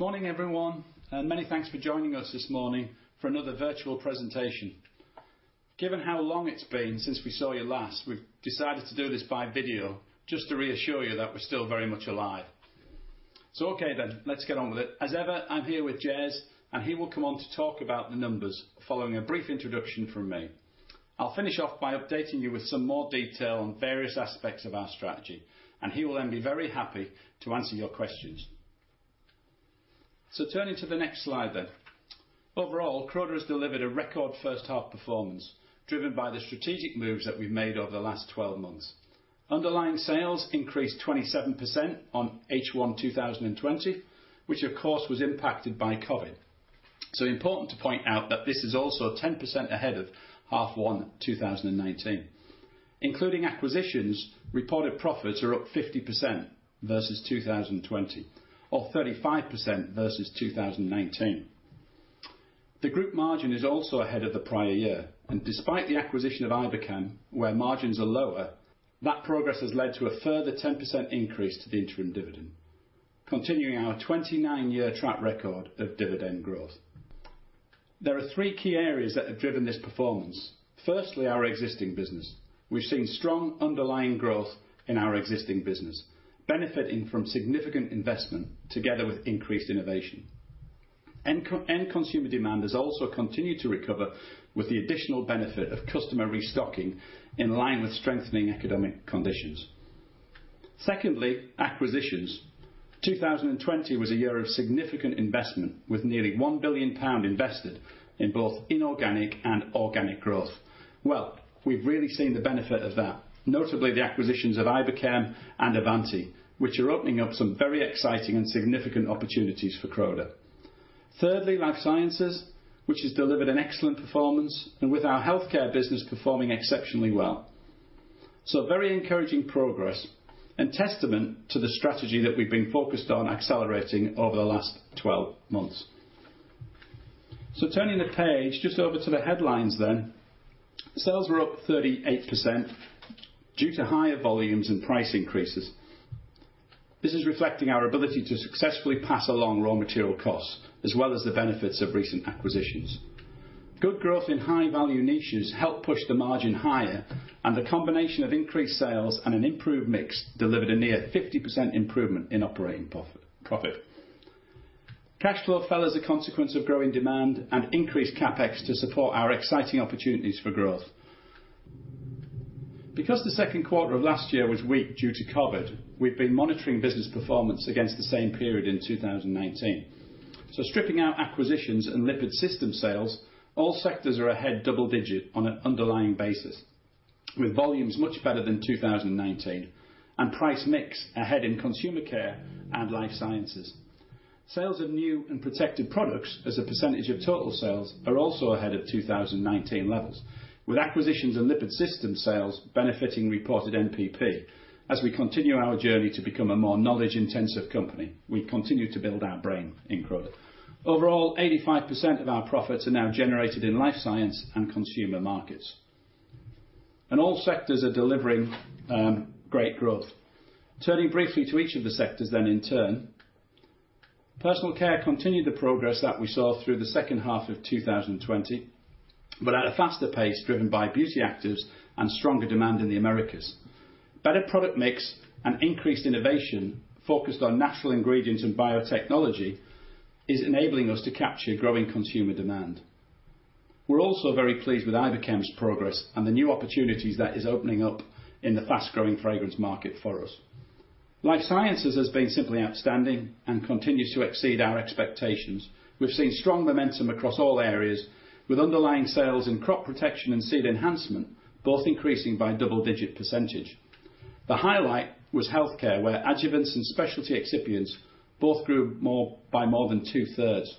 Morning, everyone, many thanks for joining us this morning for another virtual presentation. Given how long it's been since we saw you last, we've decided to do this by video just to reassure you that we're still very much alive. Okay, let's get on with it. As ever, I'm here with Jez, and he will come on to talk about the numbers following a brief introduction from me. I'll finish off by updating you with some more detail on various aspects of our strategy, and he will then be very happy to answer your questions. Turning to the next slide then. Overall, Croda has delivered a record first half performance, driven by the strategic moves that we've made over the last 12 months. Underlying sales increased 27% on H1 2020, which of course, was impacted by COVID-19. Important to point out that this is also 10% ahead of half 1 2019. Including acquisitions, reported profits are up 50% versus 2020 or 35% versus 2019. The group margin is also ahead of the prior year, and despite the acquisition of Iberchem, where margins are lower, that progress has led to a further 10% increase to the interim dividend, continuing our 29-year track record of dividend growth. There are three key areas that have driven this performance. Firstly, our existing business. We've seen strong underlying growth in our existing business, benefiting from significant investment together with increased innovation. End consumer demand has also continued to recover with the additional benefit of customer restocking in line with strengthening economic conditions. Secondly, acquisitions. 2020 was a year of significant investment with nearly £1 billion invested in both inorganic and organic growth. Well, we've really seen the benefit of that, notably the acquisitions of Iberchem and Avanti, which are opening up some very exciting and significant opportunities for Croda. Thirdly, Life Sciences, which has delivered an excellent performance, and with our healthcare business performing exceptionally well. Very encouraging progress and testament to the strategy that we've been focused on accelerating over the last 12 months. Turning the page just over to the headlines then. Sales were up 38% due to higher volumes and price increases. This is reflecting our ability to successfully pass along raw material costs as well as the benefits of recent acquisitions. Good growth in high-value niches helped push the margin higher, and the combination of increased sales and an improved mix delivered a near 50% improvement in operating profit. Cash flow fell as a consequence of growing demand and increased CapEx to support our exciting opportunities for growth. The 2nd quarter of last year was weak due to COVID, we've been monitoring business performance against the same period in 2019. Stripping out acquisitions and lipid system sales, all sectors are ahead double-digit on an underlying basis, with volumes much better than 2019 and price mix ahead in Consumer Care and Life Sciences. Sales of new and protected products as a percentage of total sales are also ahead of 2019 levels, with acquisitions and lipid system sales benefiting reported NPP as we continue our journey to become a more knowledge-intensive company. We continue to build our brain in Croda. 85% of our profits are now generated in Life Science and Consumer markets, and all sectors are delivering great growth. Turning briefly to each of the sectors in turn. Personal Care continued the progress that we saw through the second half of 2020, but at a faster pace driven by Beauty Actives and stronger demand in the Americas. Better product mix and increased innovation focused on natural ingredients and biotechnology is enabling us to capture growing consumer demand. We're also very pleased with Iberchem's progress and the new opportunities that is opening up in the fast-growing fragrance market for us. Life Sciences has been simply outstanding and continues to exceed our expectations. We've seen strong momentum across all areas with underlying sales in crop protection and seed enhancement both increasing by double-digit percentage. The highlight was healthcare, where adjuvants and specialty excipients both grew by more than two-thirds.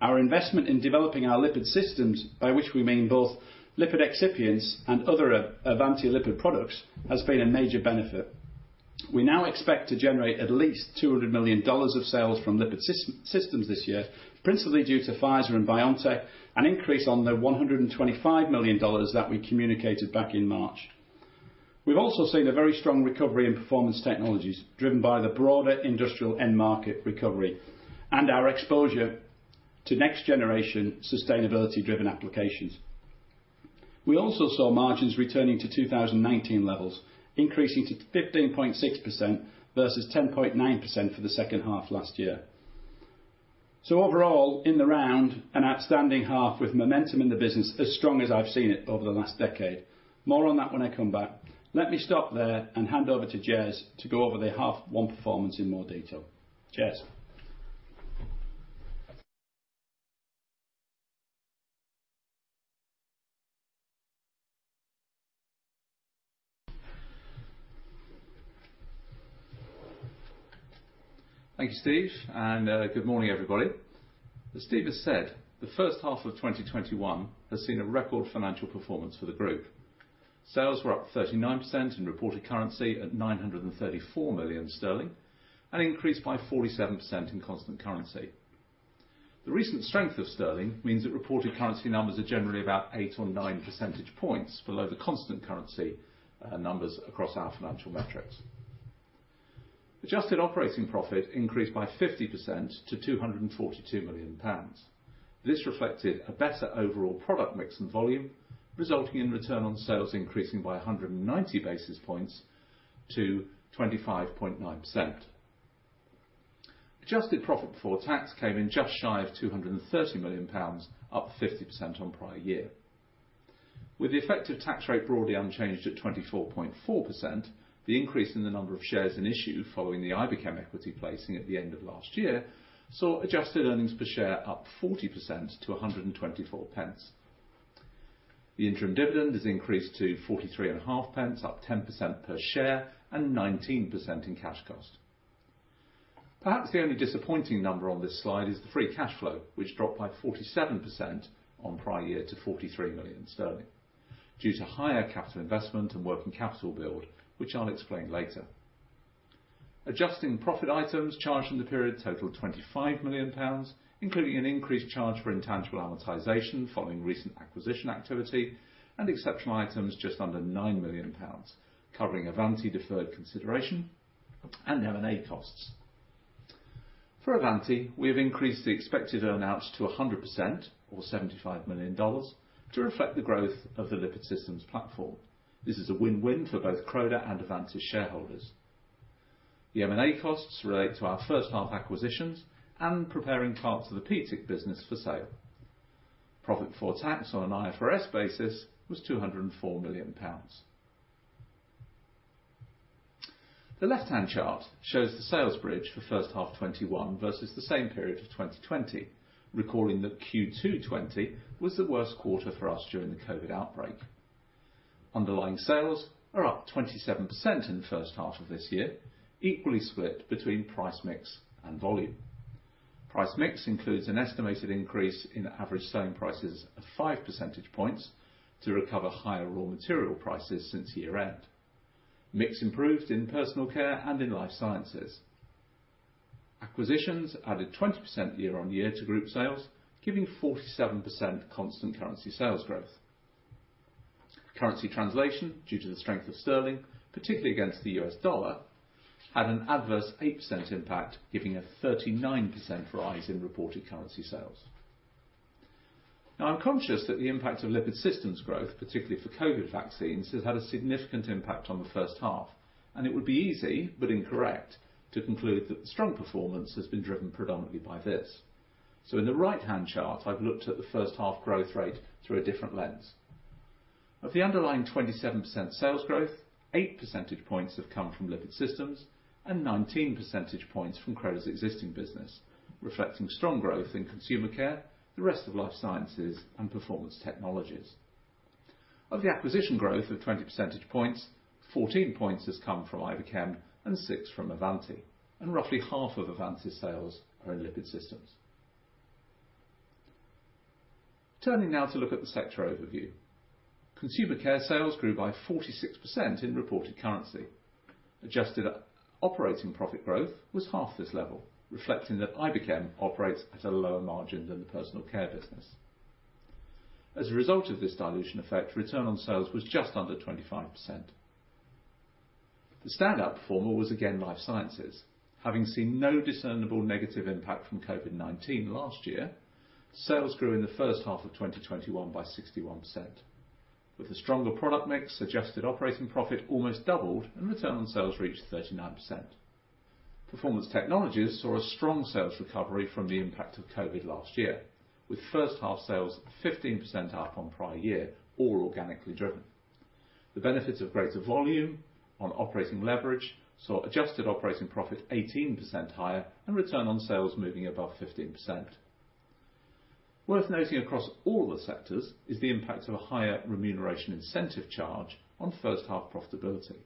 Our investment in developing our lipid systems, by which we mean both lipid excipients and other Avanti lipid products, has been a major benefit. We now expect to generate at least $200 million of sales from lipid systems this year, principally due to Pfizer and BioNTech, an increase on the $125 million that we communicated back in March. We've also seen a very strong recovery in Performance Technologies driven by the broader industrial end market recovery and our exposure to next-generation sustainability-driven applications. We also saw margins returning to 2019 levels, increasing to 15.6% versus 10.9% for the second half last year. Overall, in the round, an outstanding half with momentum in the business as strong as I've seen it over the last decade. More on that when I come back. Let me stop there and hand over to Jez to go over the H1 Performance in more detail. Jez? Thanks, Steve, and good morning, everybody. As Steve has said, the first half of 2021 has seen a record financial performance for the group. Sales were up 39% in reported currency at 934 million sterling and increased by 47% in constant currency. The recent strength of sterling means that reported currency numbers are generally about eight or nine percentage points below the constant currency numbers across our financial metrics. Adjusted operating profit increased by 50% to 242 million pounds. This reflected a better overall product mix and volume, resulting in return on sales increasing by 190 basis points to 25.9%. Adjusted profit before tax came in just shy of 230 million pounds, up 50% on prior year. With the effective tax rate broadly unchanged at 24.4%, the increase in the number of shares in issue following the Iberchem equity placing at the end of last year, saw adjusted earnings per share up 40% to 1.24. The interim dividend has increased to 0.435, up 10% per share and 19% in cash cost. Perhaps the only disappointing number on this slide is the free cash flow, which dropped by 47% on prior year to 43 million sterling due to higher capital investment and working capital build, which I'll explain later. Adjusting profit items charged in the period totaled 25 million pounds, including an increased charge for intangible amortization following recent acquisition activity and exceptional items just under 9 million pounds, covering Avanti deferred consideration and M&A costs. For Avanti, we have increased the expected earn-outs to 100%, or $75 million, to reflect the growth of the lipid systems platform. This is a win-win for both Croda and Avanti shareholders. The M&A costs relate to our first half acquisitions and preparing parts of the PTIC business for sale. Profit before tax on an IFRS basis was 204 million pounds. The left-hand chart shows the sales bridge for first half 2021 versus the same period of 2020, recalling that Q2 2020 was the worst quarter for us during the COVID-19 outbreak. Underlying sales are up 27% in the first half of this year, equally split between price mix and volume. Price mix includes an estimated increase in average selling prices of five percentage points to recover higher raw material prices since year-end. Mix improved in Personal Care and in Life Sciences. Acquisitions added 20% year-on-year to group sales, giving 47% constant currency sales growth. Currency translation due to the strength of sterling, particularly against the U.S. dollar, had an adverse 8% impact, giving a 39% rise in reported currency sales. I'm conscious that the impact of lipid systems growth, particularly for COVID-19 vaccines, has had a significant impact on the first half, and it would be easy but incorrect to conclude that the strong performance has been driven predominantly by this. In the right-hand chart, I've looked at the first half growth rate through a different lens. Of the underlying 27% sales growth, eight percentage points have come from lipid systems and 19 percentage points from Croda's existing business, reflecting strong growth in Consumer Care, the rest of Life Sciences and Performance Technologies. Of the acquisition growth of 20 percentage points, 14 points has come from Iberchem and six from Avanti, and roughly half of Avanti's sales are in lipid systems. Turning now to look at the sector overview. Consumer Care sales grew by 46% in reported currency. Adjusted operating profit growth was half this level, reflecting that Iberchem operates at a lower margin than the Personal Care business. As a result of this dilution effect, return on sales was just under 25%. The stand-out performer was again Life Sciences. Having seen no discernible negative impact from COVID-19 last year, sales grew in the first half of 2021 by 61%. With a stronger product mix, adjusted operating profit almost doubled and return on sales reached 39%. Performance technologies saw a strong sales recovery from the impact of COVID-19 last year, with first half sales 15% up on prior year, all organically driven. The benefits of greater volume on operating leverage saw adjusted operating profit 18% higher and return on sales moving above 15%. Worth noting across all the sectors is the impact of a higher remuneration incentive charge on 1st half profitability.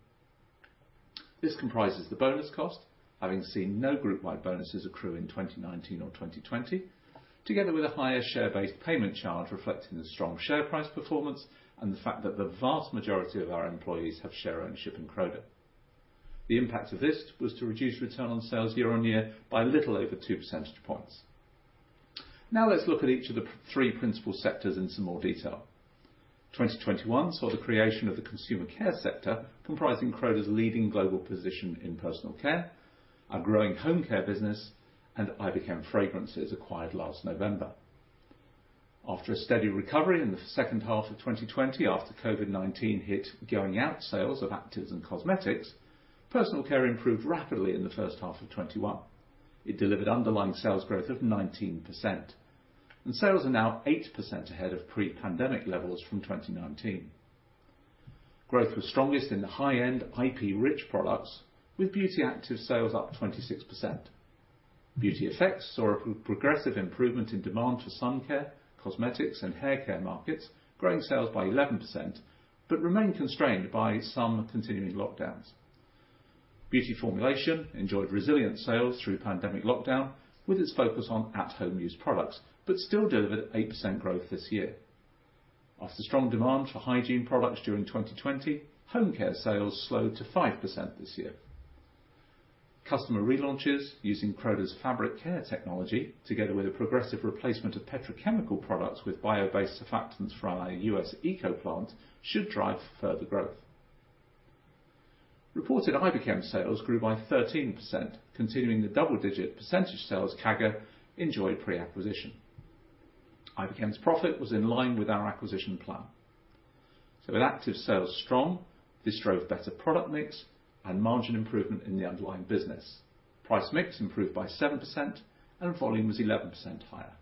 This comprises the bonus cost, having seen no group-wide bonuses accrue in 2019 or 2020, together with a higher share-based payment charge reflecting the strong share price performance and the fact that the vast majority of our employees have share ownership in Croda. The impact of this was to reduce return on sales year-on-year by little over two percentage points. Now let's look at each of the three principal sectors in some more detail. 2021 saw the creation of the Consumer Care sector comprising Croda's leading global position in Personal Care, our growing Home Care business, and Iberchem Fragrances acquired last November. After a steady recovery in the second half of 2020 after COVID-19 hit, sales of actives and cosmetics, Personal Care improved rapidly in the first half of 2021. It delivered underlying sales growth of 19%, and sales are now eight percent ahead of pre-pandemic levels from 2019. Growth was strongest in the high-end IP-rich products, with Beauty Actives sales up 26%. Beauty Effects saw a progressive improvement in demand for sun care, cosmetics, and hair care markets, growing sales by 11%, but remain constrained by some continuing lockdowns. Beauty Formulation enjoyed resilient sales through pandemic lockdown, with its focus on at home use products, but still delivered eight percent growth this year. After strong demand for hygiene products during 2020, Home Care sales slowed to 5% this year. Customer relaunches using Croda's fabric care technology, together with a progressive replacement of petrochemical products with bio-based surfactants from our U.S. ECO plant, should drive further growth. Reported Iberchem sales grew by 13%, continuing the double-digit percentage sales CAGR enjoyed pre-acquisition. Iberchem's profit was in line with our acquisition plan. With active sales strong, this drove better product mix and margin improvement in the underlying business. Price mix improved by 7% and volume was 11% higher.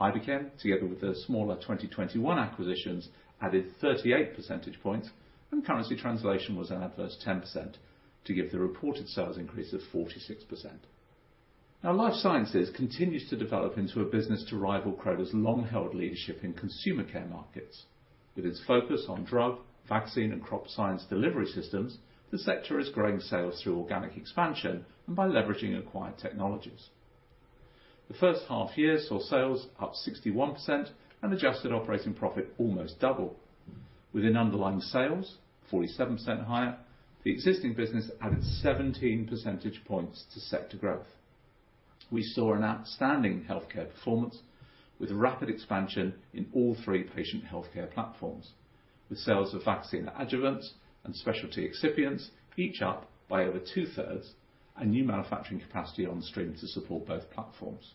Iberchem, together with the smaller 2021 acquisitions, added 38 percentage points, and currency translation was an adverse 10% to give the reported sales increase of 46%. Life Sciences continues to develop into a business to rival Croda's long-held leadership in Consumer Care markets. With its focus on drug, vaccine and crop science delivery systems, the sector is growing sales through organic expansion and by leveraging acquired technologies. The first half year saw sales up 61% and adjusted operating profit almost double. Within underlying sales, 47% higher, the existing business added 17 percentage points to sector growth. We saw an outstanding healthcare performance with rapid expansion in all three patient healthcare platforms, with sales of vaccine adjuvants and specialty excipients each up by over two-thirds, and new manufacturing capacity on stream to support both platforms.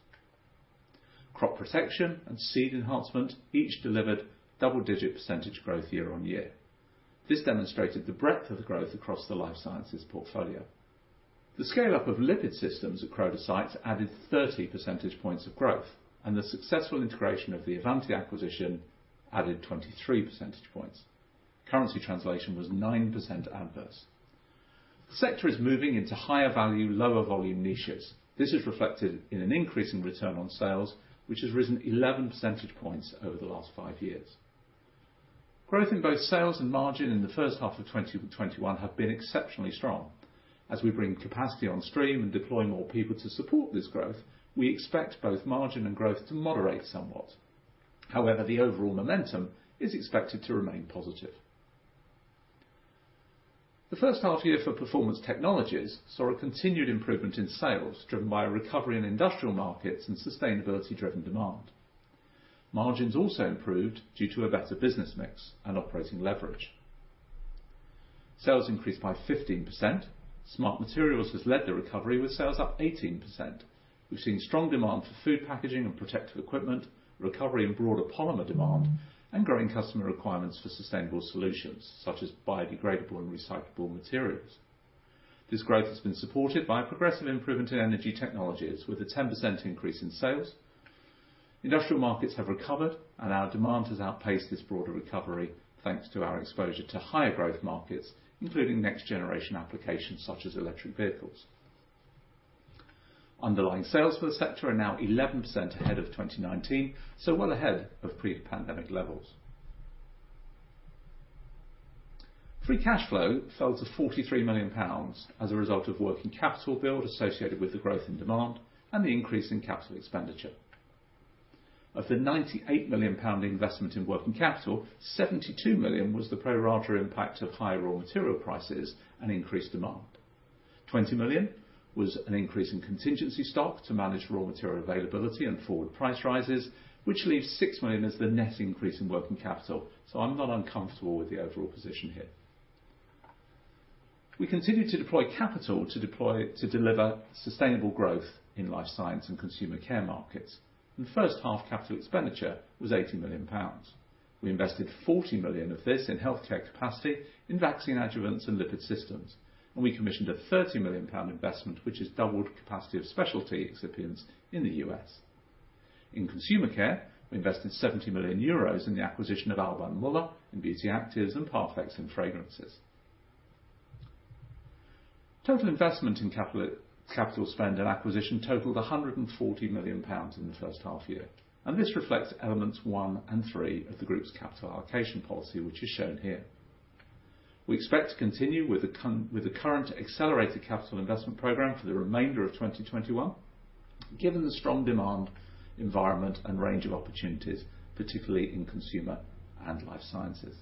Crop Protection and Seed Enhancement each delivered double-digit percentage growth year on year. This demonstrated the breadth of the growth across the Life Sciences portfolio. The scale-up of lipid systems at Croda sites added 30 percentage points of growth, and the successful integration of the Avanti acquisition added 23 percentage points. Currency translation was 9% adverse. The sector is moving into higher value, lower volume niches. This is reflected in an increase in return on sales, which has risen 11 percentage points over the last five years. Growth in both sales and margin in the first half of 2021 have been exceptionally strong. As we bring capacity on stream and deploy more people to support this growth, we expect both margin and growth to moderate somewhat. However, the overall momentum is expected to remain positive. The first half year for Performance Technologies saw a continued improvement in sales, driven by a recovery in industrial markets and sustainability-driven demand. Margins also improved due to a better business mix and operating leverage. Sales increased by 15%. Smart Materials has led the recovery with sales up 18%. We've seen strong demand for food packaging and protective equipment, recovery in broader polymer demand, and growing customer requirements for sustainable solutions, such as biodegradable and recyclable materials. This growth has been supported by a progressive improvement in Energy Technologies, with a 10% increase in sales. Industrial markets have recovered, and our demand has outpaced this broader recovery thanks to our exposure to higher growth markets, including next generation applications such as electric vehicles. Underlying sales for the sector are now 11% ahead of 2019, so well ahead of pre-pandemic levels. Free cash flow fell to 43 million pounds as a result of working capital build associated with the growth in demand and the increase in CapEx. Of the GBP 98 million investment in working capital, GBP 72 million was the pro rata impact of higher raw material prices and increased demand. 20 million was an increase in contingency stock to manage raw material availability and forward price rises, which leaves 6 million as the net increase in working capital. I'm not uncomfortable with the overall position here. We continue to deploy capital to deliver sustainable growth in Life Sciences and Consumer Care markets. The first half CapEx was 80 million pounds. We invested 40 million of this in healthcare capacity in vaccine adjuvants and lipid systems, and we commissioned a 30 million pound investment, which has doubled capacity of specialty excipients in the U.S. In Consumer Care, we invested 70 million euros in the acquisition of Alban Muller and Beauty Actives and Parfex in fragrances. Total investment in capital spend and acquisition totaled 140 million pounds in the first half year, and this reflects elements one and three of the group's capital allocation policy, which is shown here. We expect to continue with the current accelerated capital investment program for the remainder of 2021, given the strong demand environment and range of opportunities, particularly in Consumer and Life Sciences.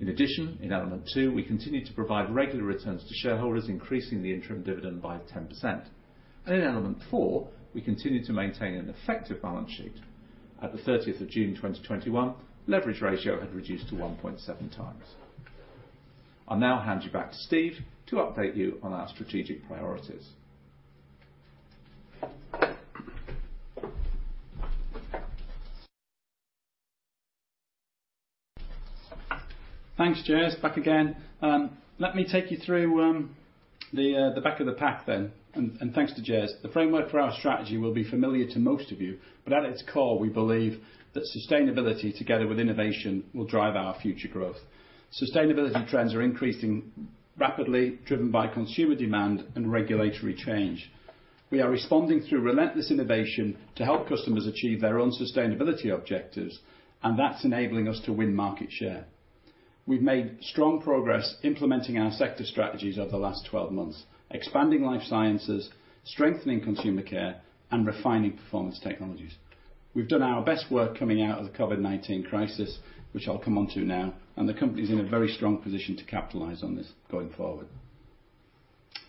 In addition, in element two, we continue to provide regular returns to shareholders, increasing the interim dividend by 10%. In element four, we continue to maintain an effective balance sheet. At the 30th of June 2021, leverage ratio had reduced to 1.7 times. I'll now hand you back to Steve to update you on our strategic priorities. Thanks, Jez. Back again. Let me take you through the back of the pack then. Thanks to Jez. The framework for our strategy will be familiar to most of you, but at its core, we believe that sustainability together with innovation will drive our future growth. Sustainability trends are increasing rapidly, driven by consumer demand and regulatory change. We are responding through relentless innovation to help customers achieve their own sustainability objectives, and that's enabling us to win market share. We've made strong progress implementing our sector strategies over the last 12 months, expanding Life Sciences, strengthening Consumer Care, and refining Performance Technologies. We've done our best work coming out of the COVID-19 crisis, which I'll come onto now. The company's in a very strong position to capitalize on this going forward.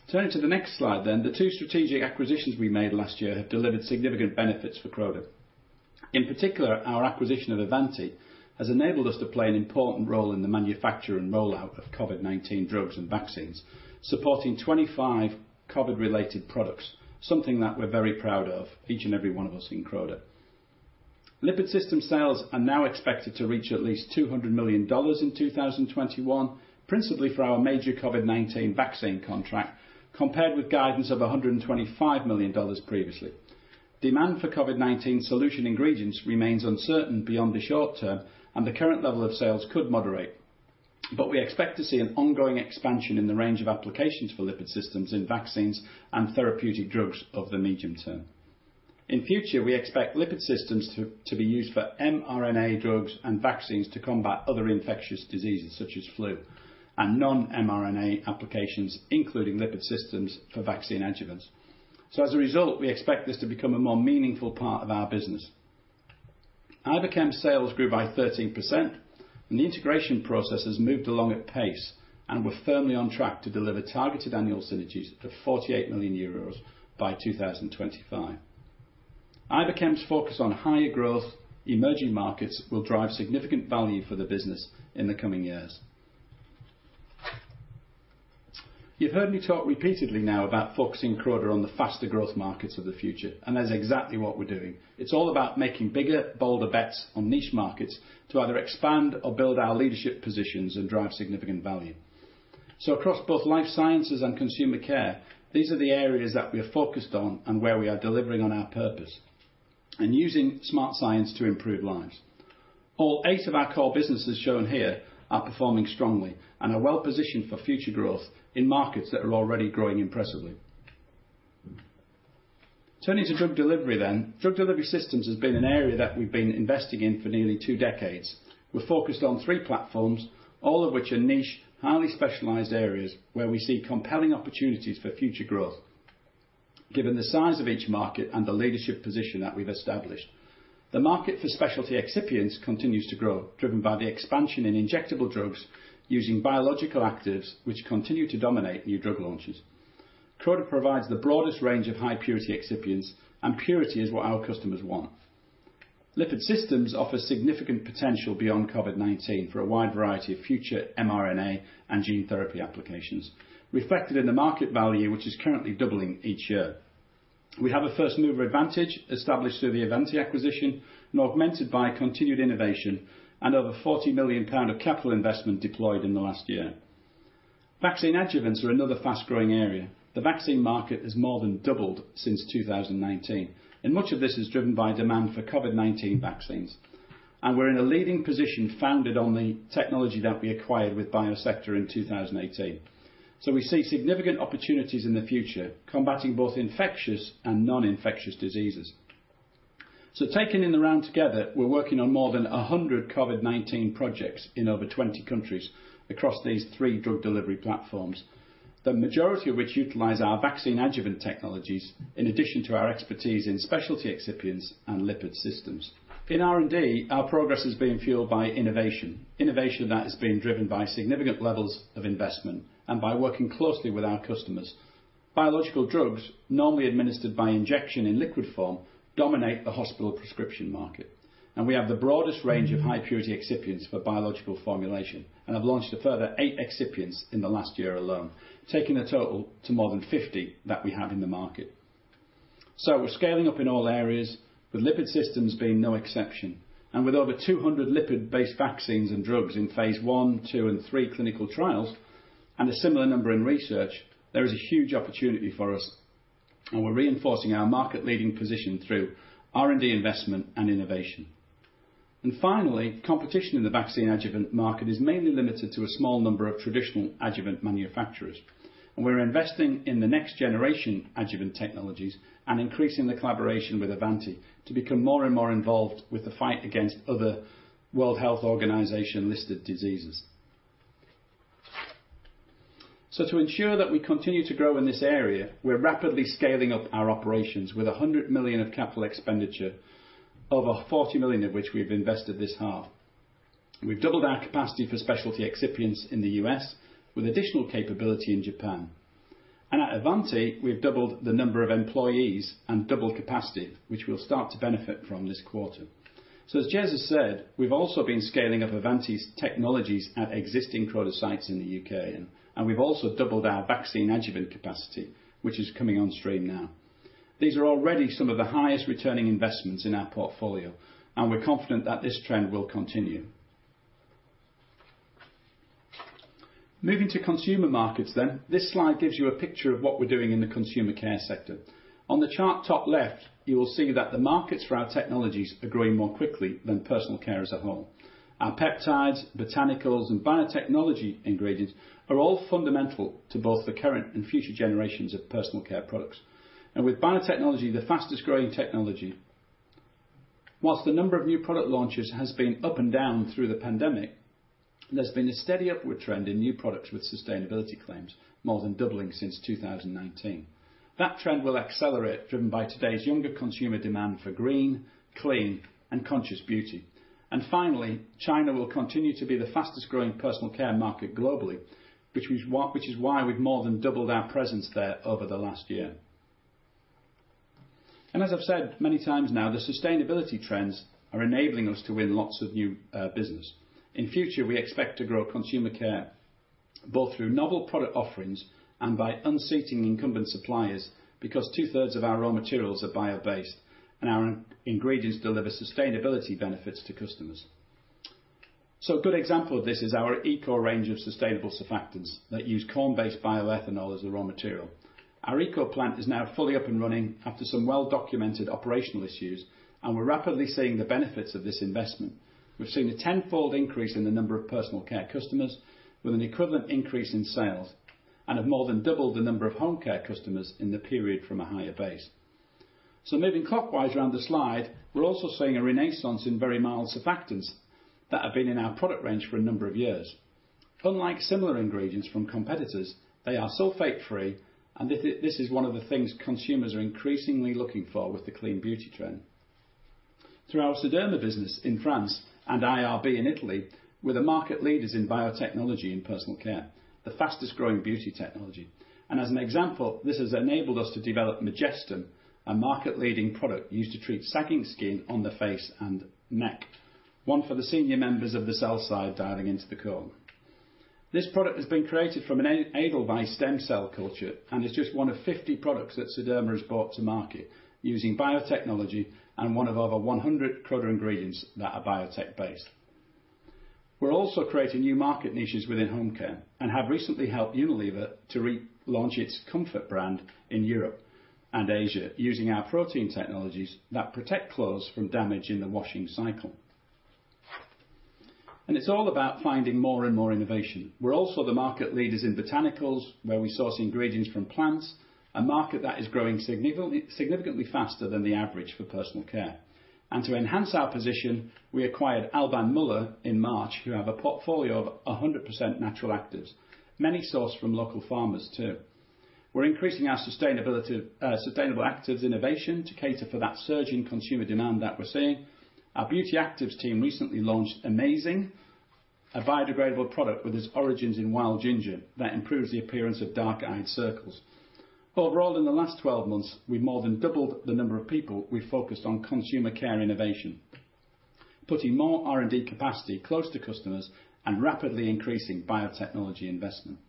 Turning to the next slide then. The two strategic acquisitions we made last year have delivered significant benefits for Croda. In particular, our acquisition of Avanti has enabled us to play an important role in the manufacture and rollout of COVID-19 drugs and vaccines, supporting 25 COVID-related products, something that we're very proud of, each and every one of us in Croda. Lipid system sales are now expected to reach at least $200 million in 2021, principally for our major COVID-19 vaccine contract, compared with guidance of $125 million previously. Demand for COVID-19 solution ingredients remains uncertain beyond the short term, the current level of sales could moderate. We expect to see an ongoing expansion in the range of applications for lipid systems in vaccines and therapeutic drugs over the medium term. In future, we expect lipid systems to be used for mRNA drugs and vaccines to combat other infectious diseases such as flu, and non-mRNA applications, including lipid systems for vaccine adjuvants. As a result, we expect this to become a more meaningful part of our business. Iberchem sales grew by 13%, and the integration process has moved along at pace, and we're firmly on track to deliver targeted annual synergies of 48 million euros by 2025. Iberchem's focus on higher growth emerging markets will drive significant value for the business in the coming years. You've heard me talk repeatedly now about focusing Croda on the faster growth markets of the future, and that is exactly what we're doing. It's all about making bigger, bolder bets on niche markets to either expand or build our leadership positions and drive significant value. Across both Life Sciences and Consumer Care, these are the areas that we are focused on and where we are delivering on our purpose and using smart science to improve lives. All eight of our core businesses shown here are performing strongly and are well-positioned for future growth in markets that are already growing impressively. Turning to drug delivery. Drug delivery systems has been an area that we've been investing in for nearly two decades. We're focused on three platforms, all of which are niche, highly specialized areas where we see compelling opportunities for future growth given the size of each market and the leadership position that we've established. The market for specialty excipients continues to grow, driven by the expansion in injectable drugs using biological actives, which continue to dominate new drug launches. Croda provides the broadest range of high-purity excipients, and purity is what our customers want. Lipid systems offer significant potential beyond COVID-19 for a wide variety of future mRNA and gene therapy applications, reflected in the market value, which is currently doubling each year. We have a first-mover advantage established through the Avanti acquisition and augmented by continued innovation and over £40 million of capital investment deployed in the last year. Vaccine adjuvants are another fast-growing area. The vaccine market has more than doubled since 2019, and much of this is driven by demand for COVID-19 vaccines. We're in a leading position founded on the technology that we acquired with Biosector in 2018. We see significant opportunities in the future combating both infectious and non-infectious diseases. Taken in the round together, we're working on more than 100 COVID-19 projects in over 20 countries across these three drug delivery platforms, the majority of which utilize our vaccine adjuvant technologies in addition to our expertise in specialty excipients and lipid systems. In R&D, our progress is being fueled by innovation that is being driven by significant levels of investment and by working closely with our customers. Biological drugs, normally administered by injection in liquid form, dominate the hospital prescription market. We have the broadest range of high-purity excipients for biological formulation and have launched a further eight excipients in the last year alone, taking the total to more than 50 that we have in the market. We're scaling up in all areas, with lipid systems being no exception. With over 200 lipid-based vaccines and drugs in phase I, II, and III clinical trials, and a similar number in research, there is a huge opportunity for us, and we're reinforcing our market-leading position through R&D investment and innovation. Finally, competition in the vaccine adjuvant market is mainly limited to a small number of traditional adjuvant manufacturers. We're investing in the next generation adjuvant technologies and increasing the collaboration with Avanti to become more and more involved with the fight against other World Health Organization listed diseases. To ensure that we continue to grow in this area, we're rapidly scaling up our operations with 100 million of CapEx, over 40 million of which we've invested this half. We've doubled our capacity for specialty excipients in the U.S. with additional capability in Japan. At Avanti, we've doubled the number of employees and doubled capacity, which we'll start to benefit from this quarter. As Jez has said, we've also been scaling up Avanti's technologies at existing Croda sites in the U.K., and we've also doubled our vaccine adjuvant capacity, which is coming on stream now. These are already some of the highest returning investments in our portfolio, and we're confident that this trend will continue. Moving to consumer markets then. This slide gives you a picture of what we're doing in the Consumer Care sector. On the chart top left, you will see that the markets for our technologies are growing more quickly than Personal Care as a whole. Our peptides, botanicals, and biotechnology ingredients are all fundamental to both the current and future generations of Personal Care products, and with biotechnology, the fastest-growing technology. Whilst the number of new product launches has been up and down through the pandemic, there's been a steady upward trend in new products with sustainability claims, more than doubling since 2019. That trend will accelerate, driven by today’s younger consumer demand for green, clean, and conscious beauty. Finally, China will continue to be the fastest-growing Personal Care market globally, which is why we’ve more than doubled our presence there over the last year. As I’ve said many times now, the sustainability trends are enabling us to win lots of new business. In future, we expect to grow Consumer Care both through novel product offerings and by unseating incumbent suppliers, because two-thirds of our raw materials are biobased, and our ingredients deliver sustainability benefits to customers. A good example of this is our ECO range of sustainable surfactants that use corn-based bioethanol as a raw material. Our ECO plant is now fully up and running after some well-documented operational issues. We’re rapidly seeing the benefits of this investment. We’ve seen a 10-fold increase in the number of Personal Care customers with an equivalent increase in sales and have more than doubled the number of Home Care customers in the period from a higher base. Moving clockwise around the slide, we’re also seeing a renaissance in very mild surfactants that have been in our product range for a number of years. Unlike similar ingredients from competitors, they are sulfate-free. This is one of the things consumers are increasingly looking for with the clean beauty trend. Through our Sederma business in France and IRB in Italy, we’re the market leaders in biotechnology in Personal Care, the fastest-growing beauty technology. As an example, this has enabled us to develop Majestem, a market-leading product used to treat sagging skin on the face and neck. One for the senior members of the sell side dialing into the call. This product has been created from an edible stem cell culture and is just one of 50 products that Sederma has brought to market using biotechnology and one of over 100 Croda ingredients that are biotech based. We’re also creating new market niches within Home Care and have recently helped Unilever to relaunch its Comfort brand in Europe and Asia, using our protein technologies that protect clothes from damage in the washing cycle. It’s all about finding more and more innovation. We’re also the market leaders in botanicals, where we source ingredients from plants, a market that is growing significantly faster than the average for Personal Care. To enhance our position, we acquired Alban Muller in March, who have a portfolio of 100% natural actives, many sourced from local farmers too. We’re increasing our sustainable actives innovation to cater to that surge in consumer demand that we’re seeing. Our Beauty Actives team recently launched Ameyezing, a biodegradable product with its origins in wild ginger that improves the appearance of dark eye circles. Overall, in the last 12 months, we’ve more than doubled the number of people we focused on consumer care innovation, putting more R&D capacity close to customers and rapidly increasing biotechnology investment.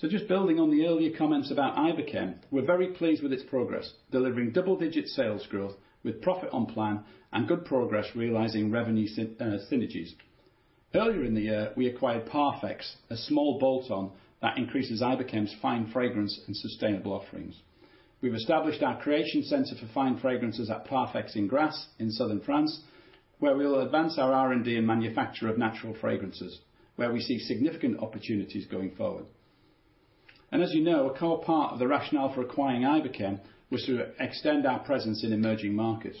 Just building on the earlier comments about Iberchem, we’re very pleased with its progress, delivering double-digit sales growth with profit on plan and good progress realizing revenue synergies. Earlier in the year, we acquired Parfex, a small bolt-on that increases Iberchem’s fine fragrance and sustainable offerings. We’ve established our creation center for fine fragrances at Parfex in Grasse in southern France, where we will advance our R&D and manufacture of natural fragrances, where we see significant opportunities going forward. As you know, a core part of the rationale for acquiring Iberchem was to extend our presence in emerging markets.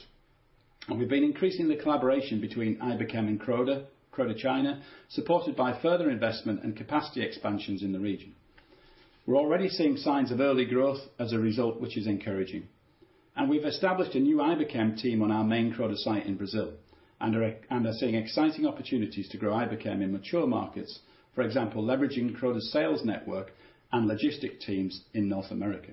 We’ve been increasing the collaboration between Iberchem and Croda China, supported by further investment and capacity expansions in the region. We’re already seeing signs of early growth as a result, which is encouraging. We’ve established a new Iberchem team on our main Croda site in Brazil and are seeing exciting opportunities to grow Iberchem in mature markets, for example, leveraging Croda’s sales network and logistic teams in North America.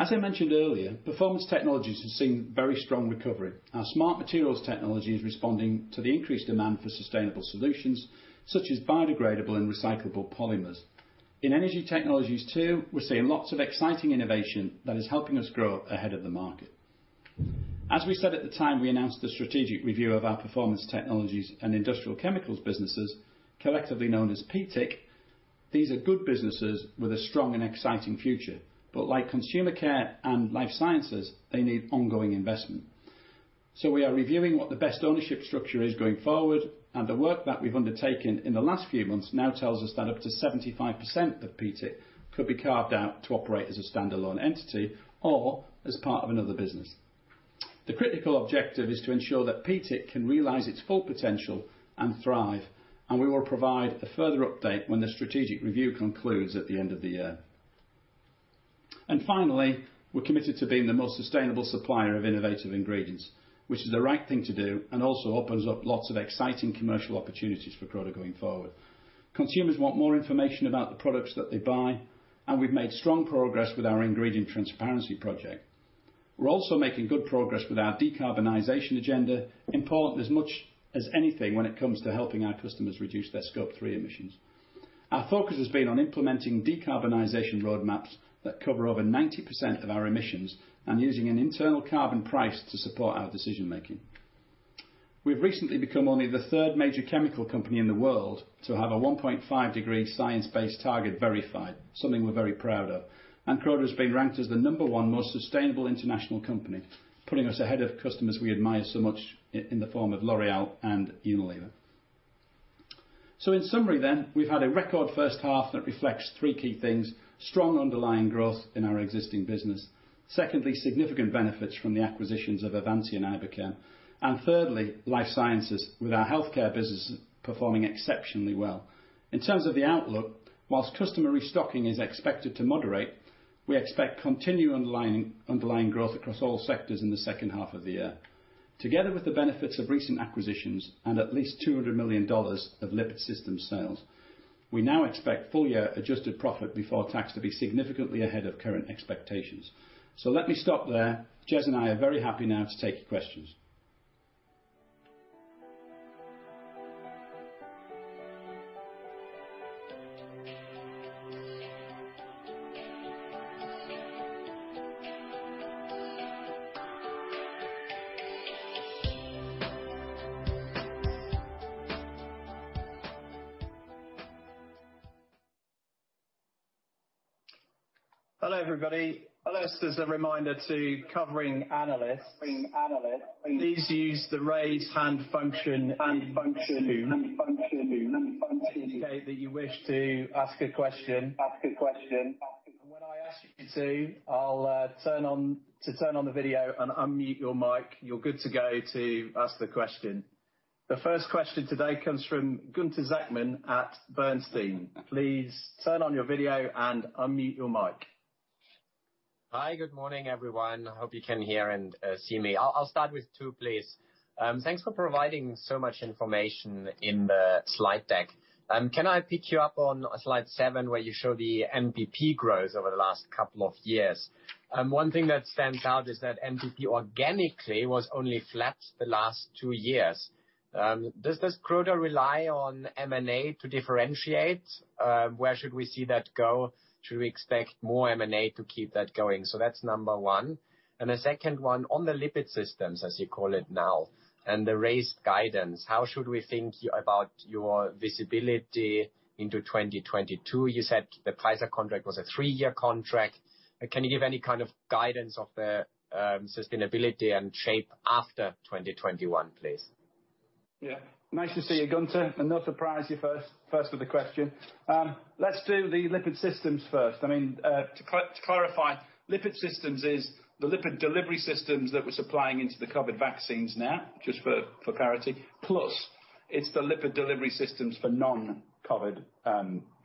As I mentioned earlier, Performance Technologies has seen very strong recovery. Our Smart Materials technology is responding to the increased demand for sustainable solutions such as biodegradable and recyclable polymers. In Energy Technologies, too, we’re seeing lots of exciting innovation that is helping us grow ahead of the market. As we said at the time we announced the strategic review of our Performance Technologies and Industrial Chemicals businesses, collectively known as PTIC, these are good businesses with a strong and exciting future. Like Consumer Care and Life Sciences, they need ongoing investment. We are reviewing what the best ownership structure is going forward, and the work that we’ve undertaken in the last few months now tells us that up to 75% of PTIC could be carved out to operate as a standalone entity or as part of another business. The critical objective is to ensure that PTIC can realize its full potential and thrive, and we will provide a further update when the strategic review concludes at the end of the year. Finally, we're committed to being the most sustainable supplier of innovative ingredients, which is the right thing to do and also opens up lots of exciting commercial opportunities for Croda going forward. Consumers want more information about the products that they buy, and we've made strong progress with our ingredient transparency project. We're also making good progress with our decarbonization agenda, important as much as anything when it comes to helping our customers reduce their Scope 3 emissions. Our focus has been on implementing decarbonization roadmaps that cover over 90% of our emissions and using an internal carbon price to support our decision-making. We've recently become only the third major chemical company in the world to have a 1.5 degree science-based target verified, something we're very proud of. Croda has been ranked as the number one most sustainable international company, putting us ahead of customers we admire so much in the form of L'Oréal and Unilever. In summary then, we've had a record first half that reflects three key things: strong underlying growth in our existing business. Secondly, significant benefits from the acquisitions of Avanti and Iberchem. Thirdly, Life Sciences with our healthcare business performing exceptionally well. In terms of the outlook, whilst customer restocking is expected to moderate, we expect continued underlying growth across all sectors in the second half of the year. Together with the benefits of recent acquisitions and at least $200 million of lipid systems sales, we now expect full year adjusted profit before tax to be significantly ahead of current expectations. Let me stop there. Jez and I are very happy now to take your questions. Hello, everybody. Just as a reminder to covering analysts, please use the raise hand function to indicate that you wish to ask a question. When I ask you to, I'll turn on the video and unmute your mic, you're good to go to ask the question. The first question today comes from Gunther Zechmann at Bernstein. Please turn on your video and unmute your mic. Hi. Good morning, everyone. I hope you can hear and see me. I'll start with two, please. Thanks for providing so much information in the slide deck. Can I pick you up on slide seven where you show the NPP growth over the last couple of years? One thing that stands out is that NPP organically was only flat the last two years. Does this Croda rely on M&A to differentiate? Where should we see that go? Should we expect more M&A to keep that going? That's number one. The second one, on the lipid systems, as you call it now, and the raised guidance, how should we think about your visibility into 2022? You said the Pfizer contract was a three-year contract. Can you give any kind of guidance of the sustainability and shape after 2021, please? Yeah. Nice to see you, Gunther, and no surprise you're first with the question. Let's do the lipid systems first. To clarify, lipid systems is the lipid delivery systems that we're supplying into the COVID vaccines now, just for clarity. It's the lipid delivery systems for non-COVID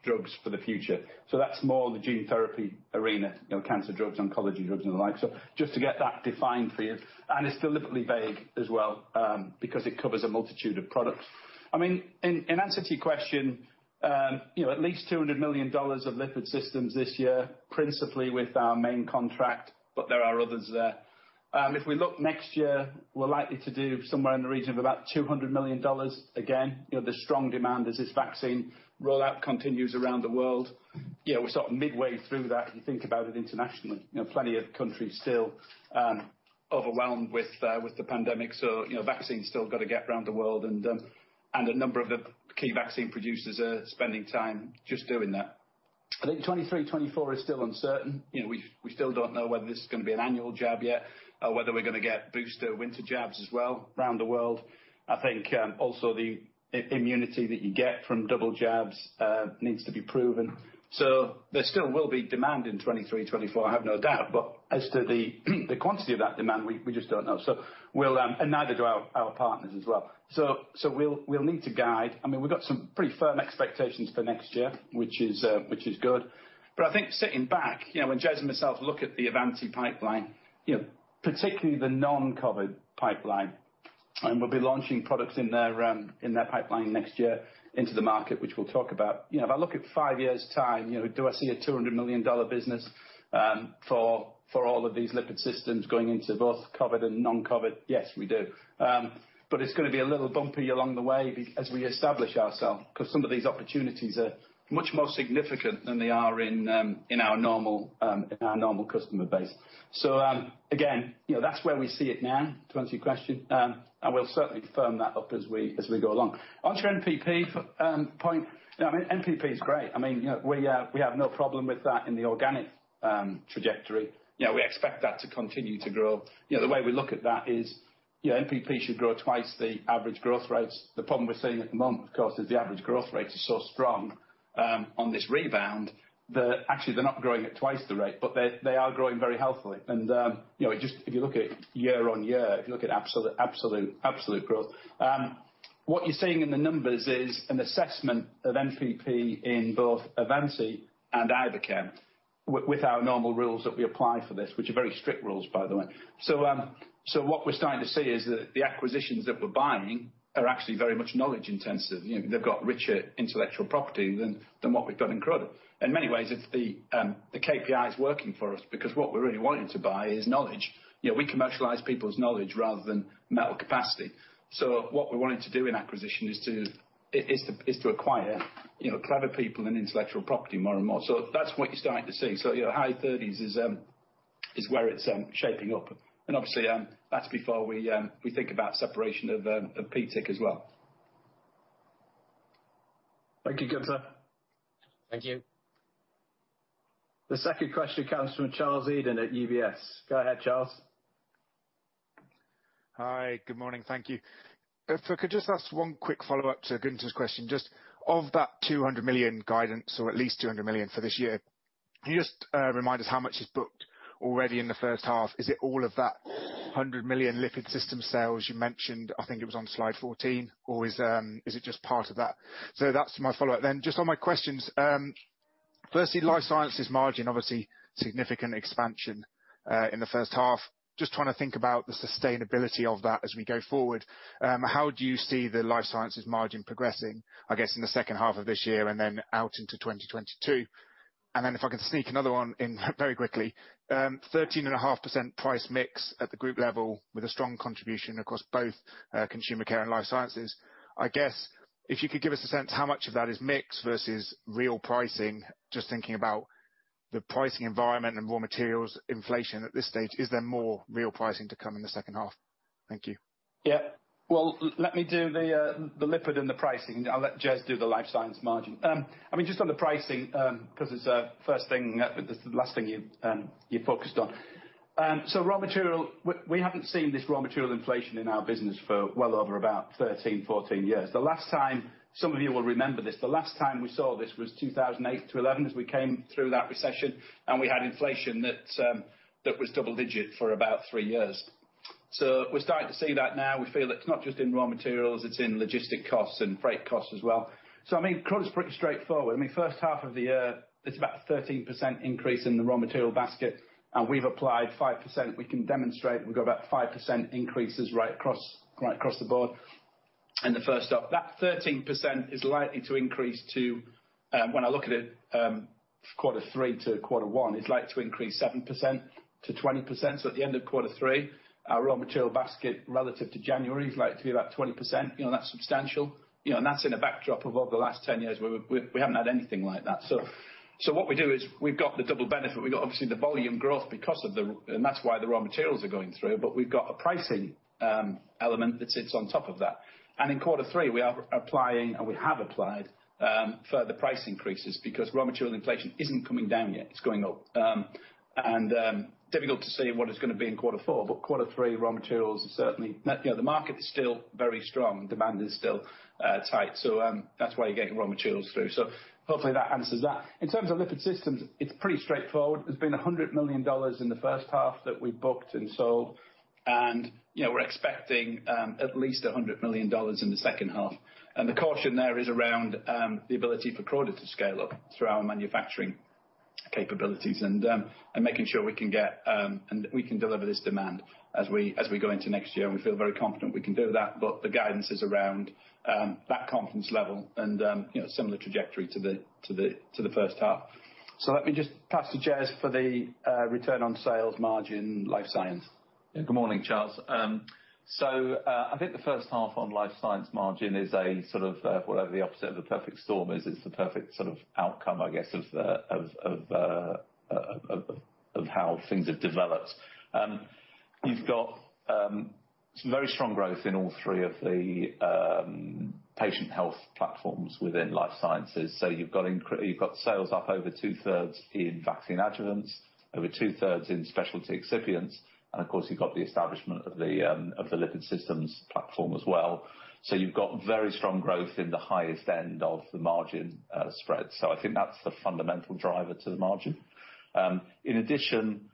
drugs for the future. That's more the gene therapy arena, cancer drugs, oncology drugs, and the like. Just to get that defined for you. It's deliberately vague as well, because it covers a multitude of products. In answer to your question, at least $200 million of lipid systems this year, principally with our main contract, but there are others there. If we look next year, we're likely to do somewhere in the region of about $200 million. Again, there's strong demand as this vaccine rollout continues around the world. We're sort of midway through that, if you think about it internationally. Plenty of countries still overwhelmed with the pandemic, vaccine's still got to get around the world, and a number of the key vaccine producers are spending time just doing that. I think 2023, 2024 is still uncertain. We still don't know whether this is going to be an annual jab yet, or whether we're going to get booster winter jabs as well around the world. I think, also the immunity that you get from double jabs needs to be proven. There still will be demand in 2023, 2024, I have no doubt, but as to the quantity of that demand, we just don't know. Neither do our partners as well. We'll need to guide. We've got some pretty firm expectations for next year, which is good. I think sitting back, when Jez and myself look at the Avanti pipeline, particularly the non-COVID pipeline, and we'll be launching products in their pipeline next year into the market, which we'll talk about. If I look at five years' time, do I see a $200 million business for all of these lipid systems going into both COVID and non-COVID? Yes, we do. It's going to be a little bumpy along the way as we establish ourself, because some of these opportunities are much more significant than they are in our normal customer base. Again, that's where we see it now, to answer your question. We'll certainly firm that up as we go along. Onto your NPP point. NPP is great. We have no problem with that in the organic trajectory. We expect that to continue to grow. The way we look at that is, NPP should grow twice the average growth rates. The problem we're seeing at the moment, of course, is the average growth rate is so strong on this rebound, that actually they're not growing at twice the rate, but they are growing very healthily. If you look at year-on-year, if you look at absolute growth. What you're seeing in the numbers is an assessment of NPP in both Avanti and Iberchem with our normal rules that we apply for this, which are very strict rules, by the way. What we're starting to see is that the acquisitions that we're buying are actually very much knowledge intensive. They've got richer intellectual property than what we've got in Croda. In many ways, the KPI is working for us because what we're really wanting to buy is knowledge. We commercialize people's knowledge rather than metal capacity. What we're wanting to do in acquisition is to acquire clever people and intellectual property more and more. That's what you're starting to see. Your high 30s is where it's shaping up. Obviously, that's before we think about separation of PTIC as well. Thank you, Gunther. Thank you. The second question comes from Charles Eden at UBS. Go ahead, Charles. Hi, good morning. Thank you. I could just ask one quick follow-up to Gunther's question, just of that 200 million guidance or at least 200 million for this year, can you just remind us how much is booked already in the first half? Is it all of that 100 million lipid system sales you mentioned, I think it was on slide 14, or is it just part of that? That's my follow-up then. Just on my questions, firstly, Life Sciences margin, obviously significant expansion, in the first half. Just trying to think about the sustainability of that as we go forward. How do you see the Life Sciences margin progressing, I guess, in the second half of this year and then out into 2022? If I can sneak another one in very quickly. 13.5% price mix at the group level with a strong contribution across both Consumer Care and Life Sciences. I guess if you could give us a sense how much of that is mix versus real pricing, just thinking about the pricing environment and raw materials inflation at this stage. Is there more real pricing to come in the second half? Thank you. Yeah. Well, let me do the lipid and the pricing. I'll let Jez do the Life Sciences margin. Just on the pricing, because it's the last thing you focused on. Raw material, we haven't seen this raw material inflation in our business for well over about 13, 14 years. Some of you will remember this. The last time we saw this was 2008 to 2011 as we came through that recession, and we had inflation that was double digit for about three years. We're starting to see that now. We feel it's not just in raw materials, it's in logistic costs and freight costs as well. Croda's pretty straightforward. First half of the year, it's about 13% increase in the raw material basket, and we've applied 5%. We can demonstrate we've got about 5% increases right across the board in the first half. That 13% is likely to increase to, when I look at it, quarter 3 to quarter 1, it's likely to increase 7%-20%. At the end of quarter 3, our raw material basket relative to January is likely to be about 20%. That's substantial. That's in a backdrop of over the last 10 years, we haven't had anything like that. What we do is we've got the double benefit. We've got obviously the volume growth, and that's why the raw materials are going through. We've got a pricing element that sits on top of that. In quarter 3, we are applying, and we have applied, further price increases because raw material inflation isn't coming down yet. It's going up. Difficult to see what it's going to be in quarter 4, but quarter 3 raw materials certainly, the market is still very strong. Demand is still tight. That's why you're getting raw materials through. Hopefully that answers that. In terms of lipid systems, it's pretty straightforward. There's been $100 million in the 1st half that we've booked and sold and we're expecting at least $100 million in the 2nd half. The caution there is around the ability for Croda to scale up through our manufacturing capabilities and making sure we can deliver this demand as we go into next year. We feel very confident we can do that. The guidance is around that confidence level and similar trajectory to the 1st half. Let me just pass to Jez for the return on sales margin Life Sciences. Good morning, Charles. I think the first half on Life Sciences margin is a sort of, whatever the opposite of the perfect storm is. It's the perfect sort of outcome, I guess, of how things have developed. You've got some very strong growth in all three of the patient health platforms within Life Sciences. You've got sales up over two-thirds in vaccine adjuvants, over two-thirds in specialty excipients, and of course, you've got the establishment of the lipid systems platform as well. You've got very strong growth in the highest end of the margin spread. I think that's the fundamental driver to the margin. In addition,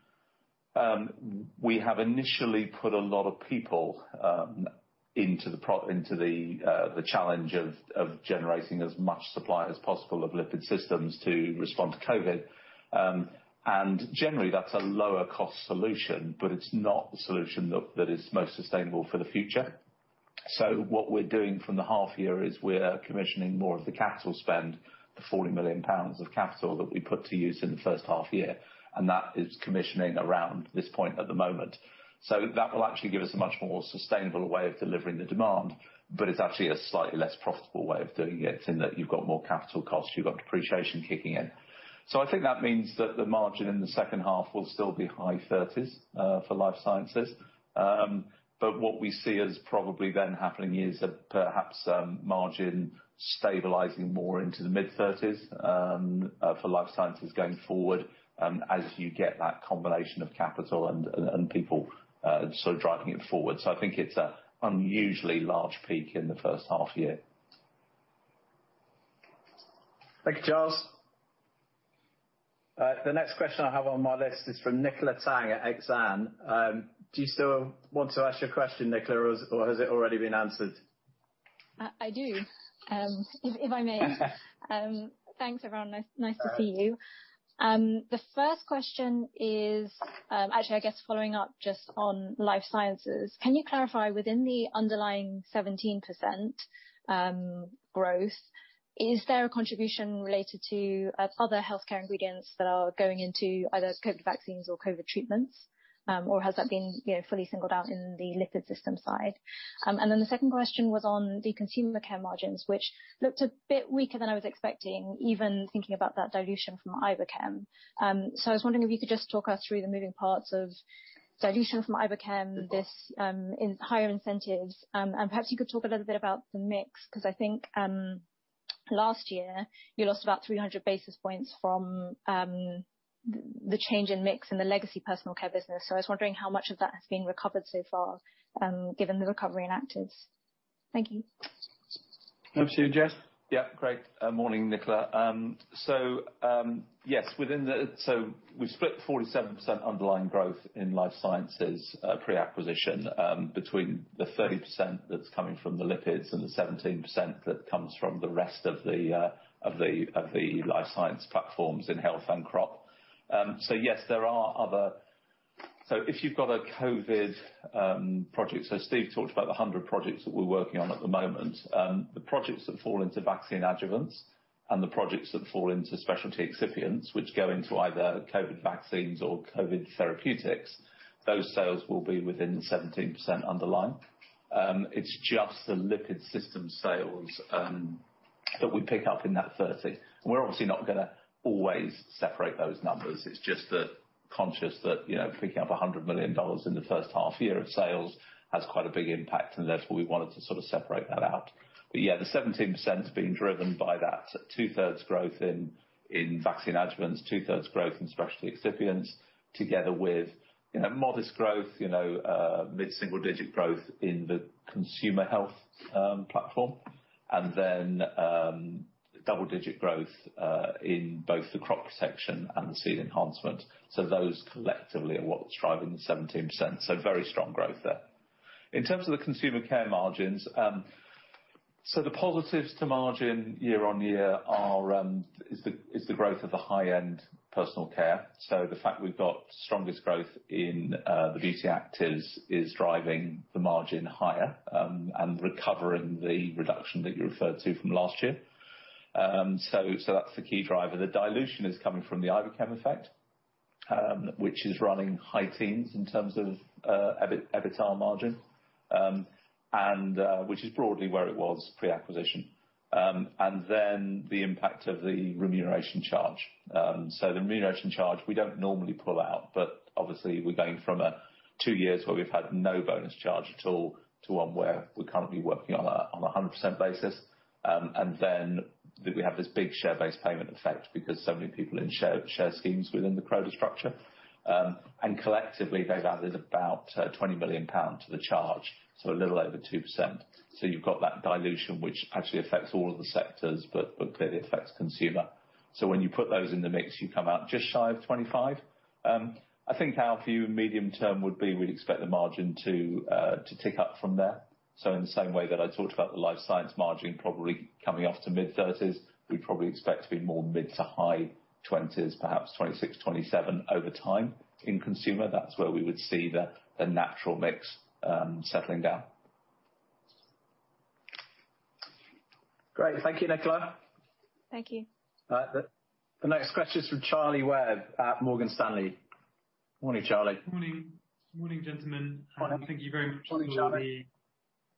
we have initially put a lot of people into the challenge of generating as much supply as possible of lipid systems to respond to COVID. Generally, that's a lower cost solution, but it's not the solution that is most sustainable for the future. What we're doing from the half year is we're commissioning more of the capital spend, the £40 million of capital that we put to use in the first half year, and that is commissioning around this point at the moment. That will actually give us a much more sustainable way of delivering the demand, but it's actually a slightly less profitable way of doing it in that you've got more capital costs, you've got depreciation kicking in. I think that means that the margin in the second half will still be high 30s% for Life Sciences. What we see as probably then happening is that perhaps margin stabilizing more into the mid-30s for Life Sciences going forward, as you get that combination of capital and people sort of driving it forward. I think it's a unusually large peak in the first half year. Thank you, Charles. The next question I have on my list is from Nicola Tang at Exane. Do you still want to ask your question, Nicola, or has it already been answered? I do. If I may. Thanks, everyone. Nice to see you. The first question is, actually, I guess following up just on Life Sciences. Can you clarify within the underlying 17% growth, is there a contribution related to other healthcare ingredients that are going into either COVID vaccines or COVID treatments? Or has that been fully singled out in the lipid system side? The second question was on the Consumer Care margins, which looked a bit weaker than I was expecting, even thinking about that dilution from Iberchem. I was wondering if you could just talk us through the moving parts of dilution from Iberchem, this higher incentives. Perhaps you could talk a little bit about the mix, because last year, you lost about 300 basis points from the change in mix in the legacy Personal Care business. I was wondering how much of that has been recovered so far, given the recovery in actives. Thank you. Over to you, Jez. Yeah. Great. Morning, Nicola. Yes, we've split the 47% underlying growth in Life Sciences pre-acquisition between the 30% that's coming from the lipids and the 17% that comes from the rest of the Life Science platforms in health and crop. Yes, there are other. If you've got a COVID project, so Steve talked about the 100 projects that we're working on at the moment. The projects that fall into vaccine adjuvants and the projects that fall into specialty excipients, which go into either COVID vaccines or COVID therapeutics, those sales will be within the 17% underlying. It's just the lipid system sales that we pick up in that 30%. We're obviously not going to always separate those numbers. It's just that conscious that, picking up GBP 100 million in the first half-year of sales has quite a big impact. Therefore, we wanted to sort of separate that out. Yeah, the 17% is being driven by that two-thirds growth in vaccine adjuvants, two-thirds growth in specialty excipients together with modest growth, mid-single-digit growth in the consumer health platform. Then double-digit growth in both the crop protection and the seed enhancement. Those collectively are what's driving the 17%. Very strong growth there. In terms of the Consumer Care margins. The positives to margin year-on-year is the growth of the high-end Personal Care. The fact we've got strongest growth in the Beauty Actives is driving the margin higher and recovering the reduction that you referred to from last year. That's the key driver. The dilution is coming from the Iberchem effect, which is running high teens in terms of EBITDA margin, which is broadly where it was pre-acquisition. The impact of the remuneration charge. The remuneration charge we don't normally pull out, but obviously we're going from a two years where we've had no bonus charge at all to one where we're currently working on a 100% basis. We have this big share-based payment effect because so many people in share schemes within the Croda structure. Collectively, they've added about 20 million pounds to the charge, so a little over 2%. You've got that dilution, which actually affects all of the sectors, but clearly affects Consumer. When you put those in the mix, you come out just shy of 25. I think our view medium term would be we'd expect the margin to tick up from there. In the same way that I talked about the Life Sciences margin probably coming off to mid-30s, we'd probably expect to be more mid-20s to high 20s, perhaps 26, 27 over time in Consumer Care. That's where we would see the natural mix settling down. Great. Thank you, Nicola. Thank you. All right. The next question is from Charlie Webb at Morgan Stanley. Morning, Charlie. Morning. Morning, gentlemen. Morning. Morning, Charlie. Thank you very much for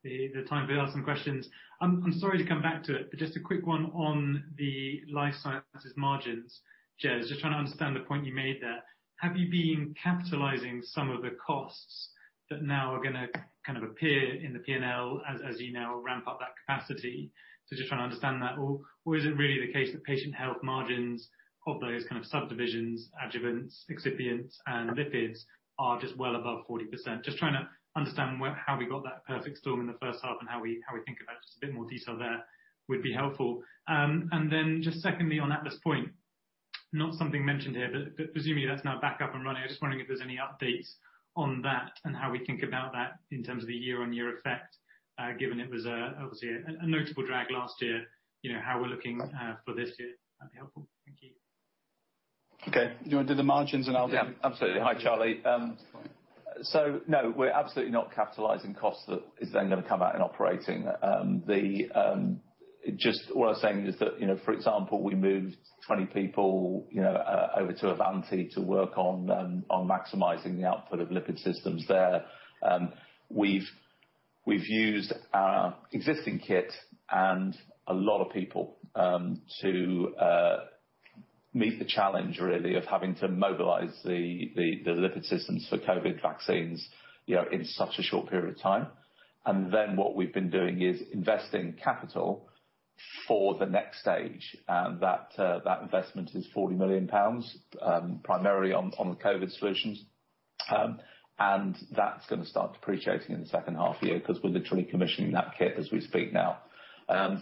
the time to ask some questions. I'm sorry to come back to it, but just a quick one on the Life Sciences margins. Jez, just trying to understand the point you made there. Have you been capitalizing some of the costs that now are gonna kind of appear in the P&L as you now ramp up that capacity? Just trying to understand that, or is it really the case that patient health margins of those kind of subdivisions, adjuvants, excipients and lipids are just well above 40%? Just trying to understand how we got that perfect storm in the first half and how we think about it. Just a bit more detail there would be helpful. Just secondly on Atlas Point, not something mentioned here, but presumably that's now back up and running. I'm just wondering if there's any updates on that and how we think about that in terms of the year-over-year effect, given it was obviously a notable drag last year, how we're looking for this year. That'd be helpful. Thank you. Okay. Do you want to do the margins and I'll do- Yeah, absolutely. Hi, Charlie. No, we're absolutely not capitalizing costs that is then going to come out in operating. What I was saying is that, for example, we moved 20 people over to Avanti to work on maximizing the output of lipid systems there. We've used our existing kit and a lot of people, to meet the challenge really of having to mobilize the lipid systems for COVID vaccines in such a short period of time. What we've been doing is investing capital for the next stage. That investment is 40 million pounds, primarily on the COVID solutions. That's going to start depreciating in the second half of the year because we're literally commissioning that kit as we speak now. No,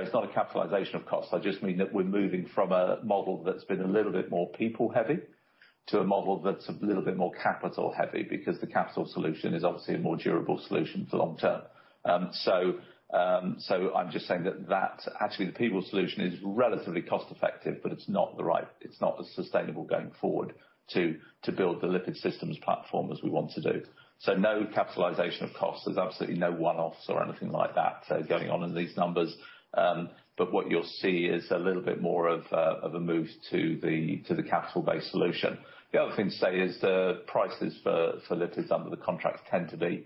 it's not a capitalization of costs. I just mean that we're moving from a model that's been a little bit more people heavy to a model that's a little bit more capital heavy, because the capital solution is obviously a more durable solution for the long term. I'm just saying that that actually, the people solution is relatively cost-effective, but it's not as sustainable going forward to build the lipid systems platform as we want to do. No capitalization of costs. There's absolutely no one-offs or anything like that going on in these numbers. What you'll see is a little bit more of a move to the capital-based solution. The other thing to say is the prices for lipids under the contracts tend to be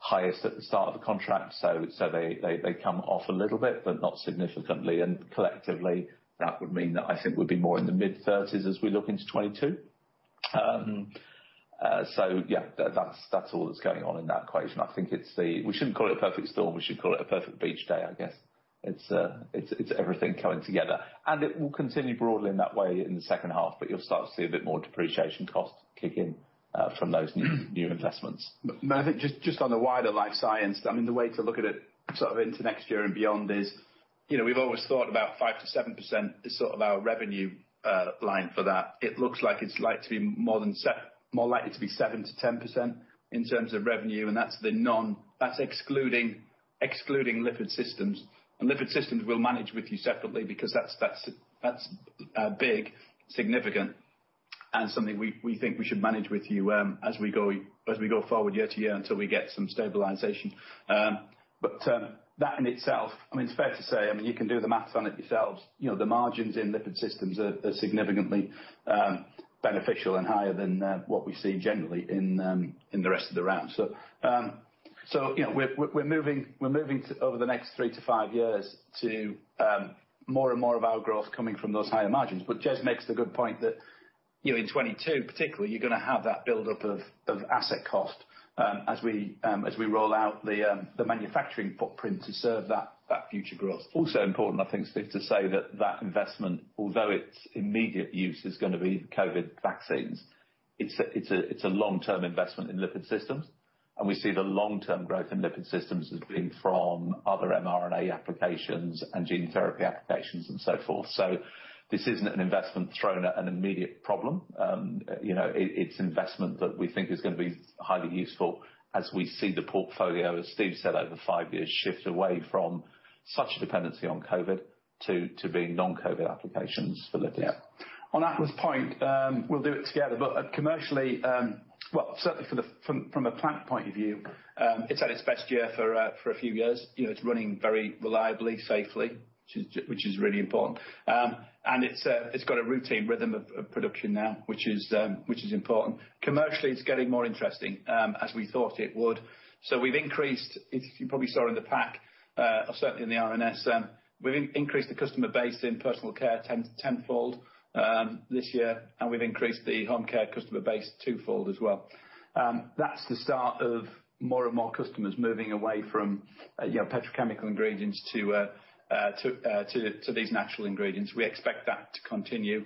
highest at the start of the contract. They come off a little bit, but not significantly and collectively. That would mean that I think we'd be more in the mid-30s as we look into 2022. Yeah, that's all that's going on in that equation. I think we shouldn't call it a perfect storm, we should call it a perfect beach day, I guess. It's everything coming together. It will continue broadly in that way in the second half, but you'll start to see a bit more depreciation cost kick in from those new investments. I think just on the wider Life Sciences, the way to look at it into next year and beyond is, we've always thought about 5%-7% is our revenue line for that. It looks like it's likely to be more likely to be 7%-10% in terms of revenue. That's excluding Lipid Systems. Lipid Systems we'll manage with you separately because that's big, significant, and something we think we should manage with you as we go forward year to year until we get some stabilization. That in itself, it's fair to say, you can do the math on it yourselves. The margins in Lipid Systems are significantly beneficial and higher than what we see generally in the rest of the RAM. We're moving over the next three to five years to more and more of our growth coming from those higher margins. Jez makes the good point that, in 2022 particularly, you're going to have that buildup of asset cost as we roll out the manufacturing footprint to serve that future growth. Also important, I think, Steve, to say that that investment, although its immediate use is going to be COVID vaccines, it's a long-term investment in lipid systems. We see the long-term growth in lipid systems as being from other mRNA applications and gene therapy applications and so forth. This isn't an investment thrown at an immediate problem. It's investment that we think is going to be highly useful as we see the portfolio, as Steve said, over five years, shift away from such dependency on COVID to being non-COVID applications for lipids. On Atlas Point, we'll do it together. Commercially, certainly from a plant point of view, it's at its best year for a few years. It's running very reliably, safely, which is really important. It's got a routine rhythm of production now, which is important. Commercially, it's getting more interesting, as we thought it would. We've increased, if you probably saw in the pack, certainly in the RNS, we've increased the customer base in Personal Care tenfold this year, and we've increased the Home Care customer base twofold as well. That's the start of more and more customers moving away from petrochemical ingredients to these natural ingredients. We expect that to continue.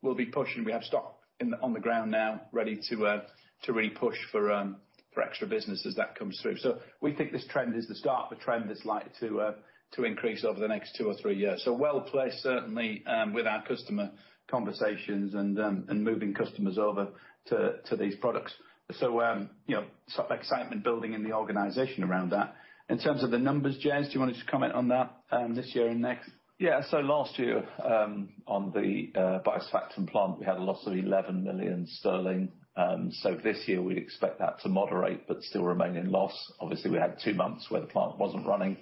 We'll be pushing. We have stock on the ground now ready to really push for extra business as that comes through. We think this trend is the start of a trend that's likely to increase over the next two or three years. Well-placed certainly with our customer conversations and moving customers over to these products. Excitement building in the organization around that. In terms of the numbers, Jez, do you want to just comment on that this year and next? Yeah. Last year, on the biosurfactant plant, we had a loss of 11 million sterling. This year we'd expect that to moderate but still remain in loss. Obviously, we had two months where the plant wasn't running.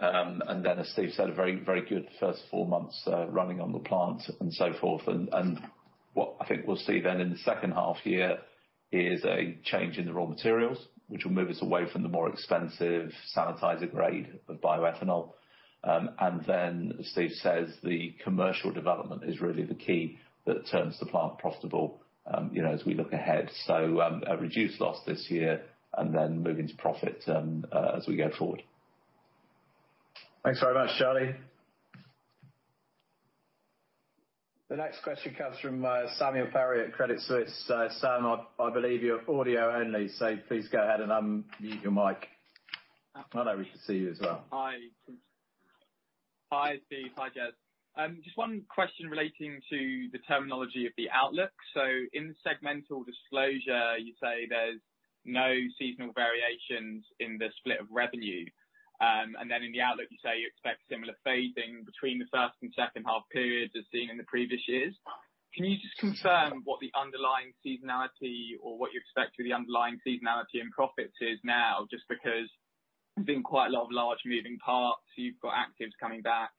As Steve said, a very good first four months running on the plant and so forth. What I think we'll see then in the second half year is a change in the raw materials, which will move us away from the more expensive sanitizer grade of bioethanol. As Steve says, the commercial development is really the key that turns the plant profitable as we look ahead. A reduced loss this year, and then moving to profit as we go forward. Thanks very much, Charlie. The next question comes from Samuel Perry at Credit Suisse. Sam, I believe you're audio only. Please go ahead and unmute your mic. No, we can see you as well. Hi. Hi, Steve. Hi, Jez. One question relating to the terminology of the outlook. In segmental disclosure, you say there's no seasonal variations in the split of revenue. In the outlook, you say you expect similar phasing between the first and second half periods as seen in the previous years. Can you just confirm what the underlying seasonality or what you expect for the underlying seasonality and profits is now? Because there's been quite a lot of large moving parts. You've got actives coming back,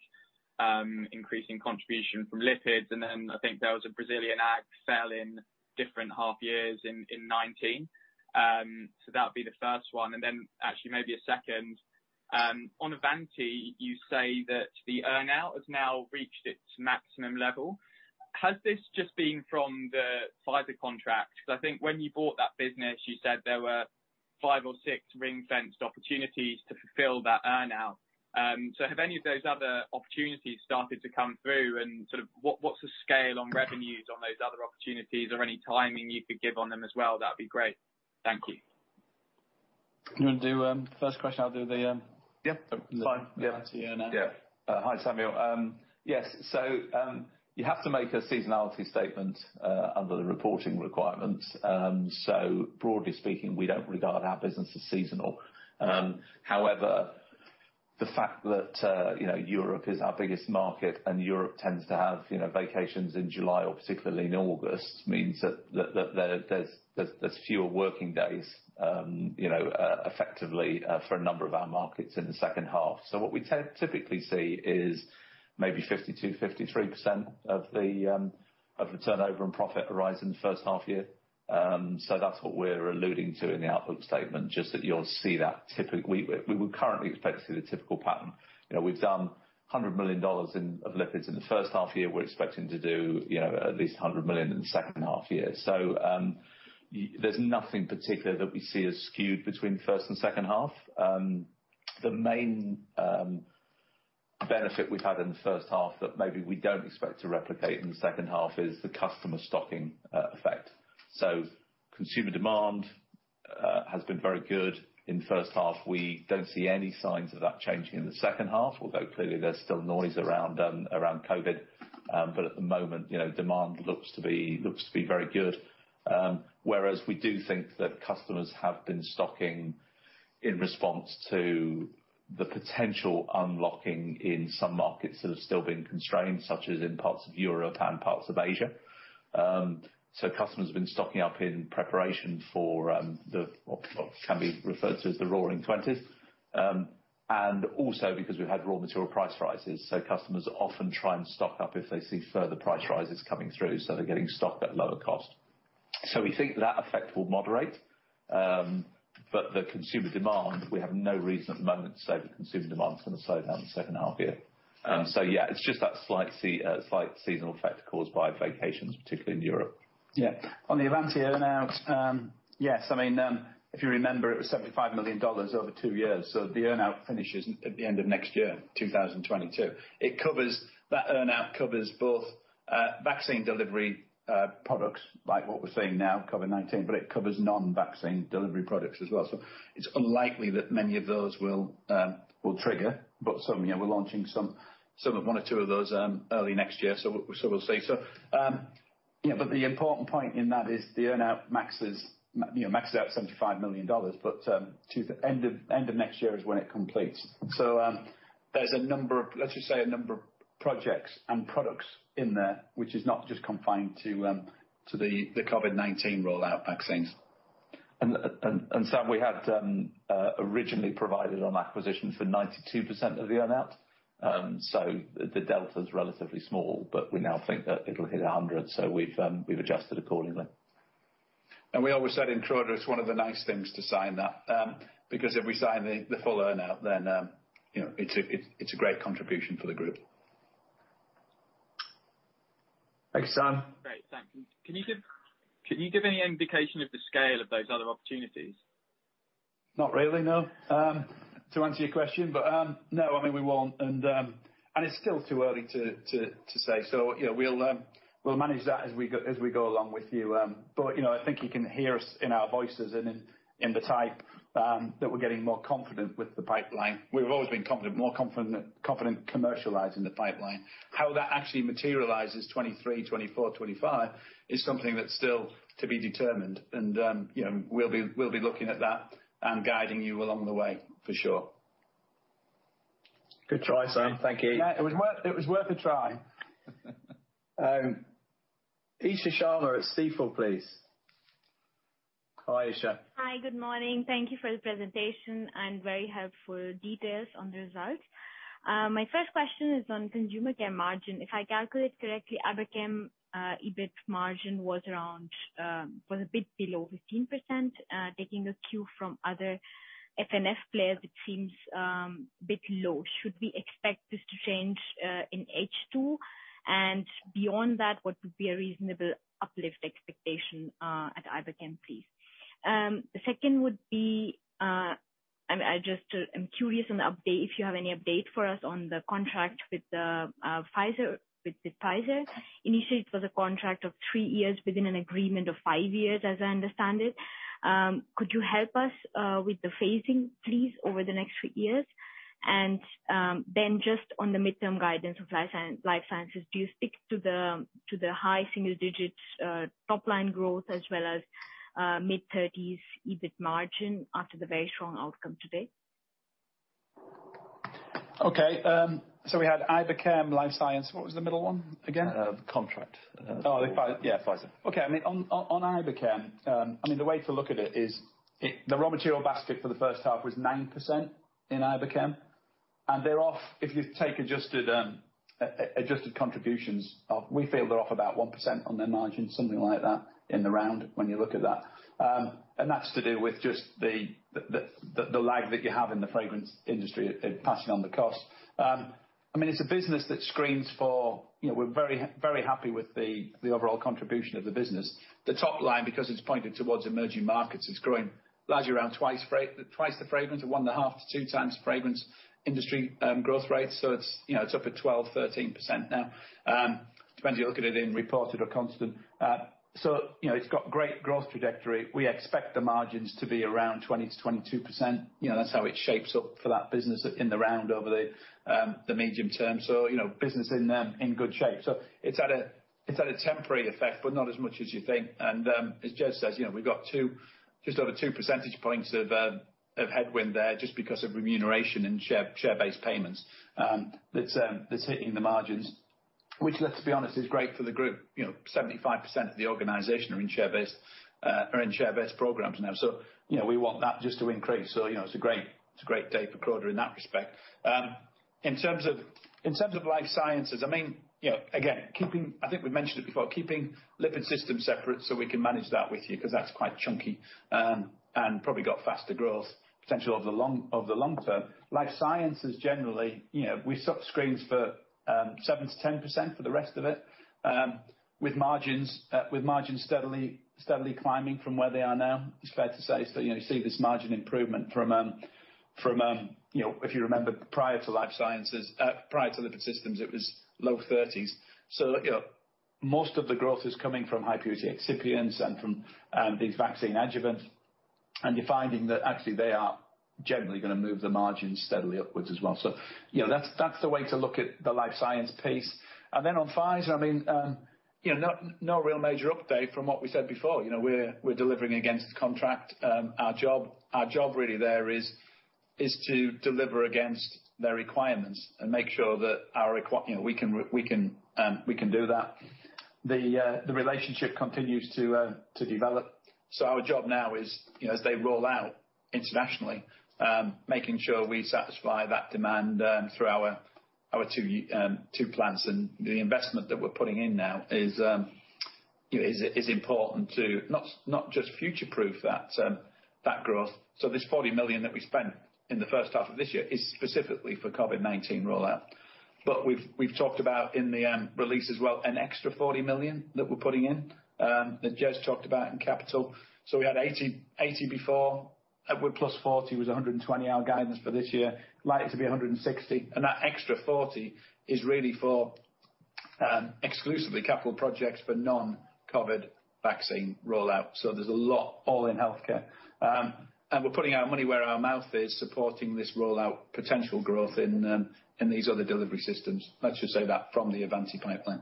increasing contribution from lipids, I think there was a Brazilian ag sell in different half years in 2019. That would be the first one. Actually maybe a second. On Avanti, you say that the earn-out has now reached its maximum level. Has this just been from the Pfizer contract? I think when you bought that business, you said there were five or six ring-fenced opportunities to fulfill that earn-out. Have any of those other opportunities started to come through and what's the scale on revenues on those other opportunities or any timing you could give on them as well? That'd be great. Thank you. You want to do the first question? Yeah, fine. I'll do the earn-out. Hi, Samuel. Yes. You have to make a seasonality statement under the reporting requirements. Broadly speaking, we don't regard our business as seasonal. However, the fact that Europe is our biggest market and Europe tends to have vacations in July or particularly in August means that there's fewer working days effectively for a number of our markets in the second half. What we typically see is maybe 52%-53% of the turnover and profit arise in the first half year. That's what we're alluding to in the outlook statement, just that you'll see that we would currently expect to see the typical pattern. We've done $100 million of lipids in the first half year. We're expecting to do at least $100 million in the second half year. There's nothing particular that we see as skewed between first and second half. The main benefit we've had in the first half that maybe we don't expect to replicate in the second half is the customer stocking effect. Consumer demand has been very good in the first half. We don't see any signs of that changing in the second half, although clearly there's still noise around COVID. At the moment, demand looks to be very good. Whereas we do think that customers have been stocking in response to the potential unlocking in some markets that have still been constrained, such as in parts of Europe and parts of Asia. Customers have been stocking up in preparation for what can be referred to as the Roaring '20s. Also because we've had raw material price rises, so customers often try and stock up if they see further price rises coming through, so they're getting stock at lower cost. We think that effect will moderate. The consumer demand, we have no reason at the moment to say the consumer demand is going to slow down in the second half year. Yeah, it's just that slight seasonal effect caused by vacations, particularly in Europe. On the Avanti earn-out. Yes, if you remember, it was $75 million over two years, so the earn-out finishes at the end of next year, 2022. That earn-out covers both vaccine delivery products like what we're seeing now, COVID-19. It covers non-vaccine delivery products as well. It's unlikely that many of those will trigger. We're launching one or two of those early next year. We'll see. The important point in that is the earn-out maxes out at $75 million. To the end of next year is when it completes. There's a number of projects and products in there, which is not just confined to the COVID-19 rollout vaccines. Sam, we had originally provided on acquisition for 92% of the earn-out. The delta is relatively small, but we now think that it'll hit 100%. We've adjusted accordingly. We always said in Croda, it's one of the nice things to sign that, because if we sign the full earn-out, then it's a great contribution for the group. Thanks, Sam. Great, thanks. Can you give any indication of the scale of those other opportunities? Not really, no. To answer your question, no, we won't. It's still too early to say. We'll manage that as we go along with you. I think you can hear us in our voices and in the type, that we're getting more confident with the pipeline. We've always been confident, more confident commercializing the pipeline. How that actually materializes 2023, 2024, 2025 is something that's still to be determined. We'll be looking at that and guiding you along the way, for sure. Good try, Sam. Thank you. It was worth a try. Isha Sharma at Stifel, please. Hi, Isha. Hi, good morning. Thank you for the presentation and very helpful details on the results. My first question is on Consumer Care margin. If I calculate correctly, Iberchem EBIT margin was a bit below 15%. Taking a cue from other F&F players, it seems a bit low. Should we expect this to change in H2? Beyond that, what would be a reasonable uplift expectation at Iberchem, please? The second would be, I'm curious on the update, if you have any update for us on the contract with Pfizer. Initially, it was a contract of three years within an agreement of five years, as I understand it. Could you help us with the phasing, please, over the next three years? Just on the midterm guidance of Life Sciences, do you stick to the high single digits top line growth as well as mid-thirties EBIT margin after the very strong outcome to date? Okay. We had Iberchem, Life Sciences. What was the middle one again? Contract. Oh, yeah. Pfizer. Okay. On Iberchem, the way to look at it is the raw material basket for the first half was 9% in Iberchem. If you take adjusted contributions, we feel they're off about 1% on their margins, something like that in the round when you look at that. That's to do with just the lag that you have in the fragrance industry at passing on the cost. It's a business that we're very happy with the overall contribution of the business. The top line, because it's pointed towards emerging markets, it's growing largely around twice the fragrance and 1.5 to 2 times fragrance industry growth rates. It's up at 12%-13% now. Depends if you look at it in reported or constant. It's got great growth trajectory. We expect the margins to be around 20%-22%. That's how it shapes up for that business in the round over the medium term. Business in good shape. It's had a temporary effect, but not as much as you think. As Jez says, we've got just over two percentage points of headwind there just because of remuneration and share-based payments that's hitting the margins, which, let's be honest, is great for the group. 75% of the organization are in share-based programs now. We want that just to increase. It's a great day for Croda in that respect. In terms of Life Sciences, again, I think we've mentioned it before, keeping lipid systems separate so we can manage that with you, because that's quite chunky and probably got faster growth potential over the long term. Life Sciences generally, we screens for 7%-10% for the rest of it, with margins steadily climbing from where they are now. It's fair to say, you see this margin improvement from, if you remember, prior to lipid systems, it was low 30s. Most of the growth is coming from high purity excipients and from these vaccine adjuvants. You're finding that actually they are generally going to move the margins steadily upwards as well. That's the way to look at the Life Science piece. Then on Pfizer, no real major update from what we said before. We're delivering against the contract. Our job really there is to deliver against their requirements and make sure that we can do that. The relationship continues to develop. Our job now is, as they roll out internationally, making sure we satisfy that demand through our two plants. The investment that we're putting in now is important to not just future-proof that growth. This 40 million that we spent in the 1st half of this year is specifically for COVID-19 rollout. We've talked about in the release as well, an extra 40 million that we're putting in, that Jez talked about in capital. We had 80 before, upward plus 40 was 120, our guidance for this year, likely to be 160. That extra 40 is really for exclusively capital projects for non-COVID vaccine rollout. There's a lot all in healthcare. We're putting our money where our mouth is, supporting this rollout potential growth in these other delivery systems. Let's just say that from the Avanti pipeline.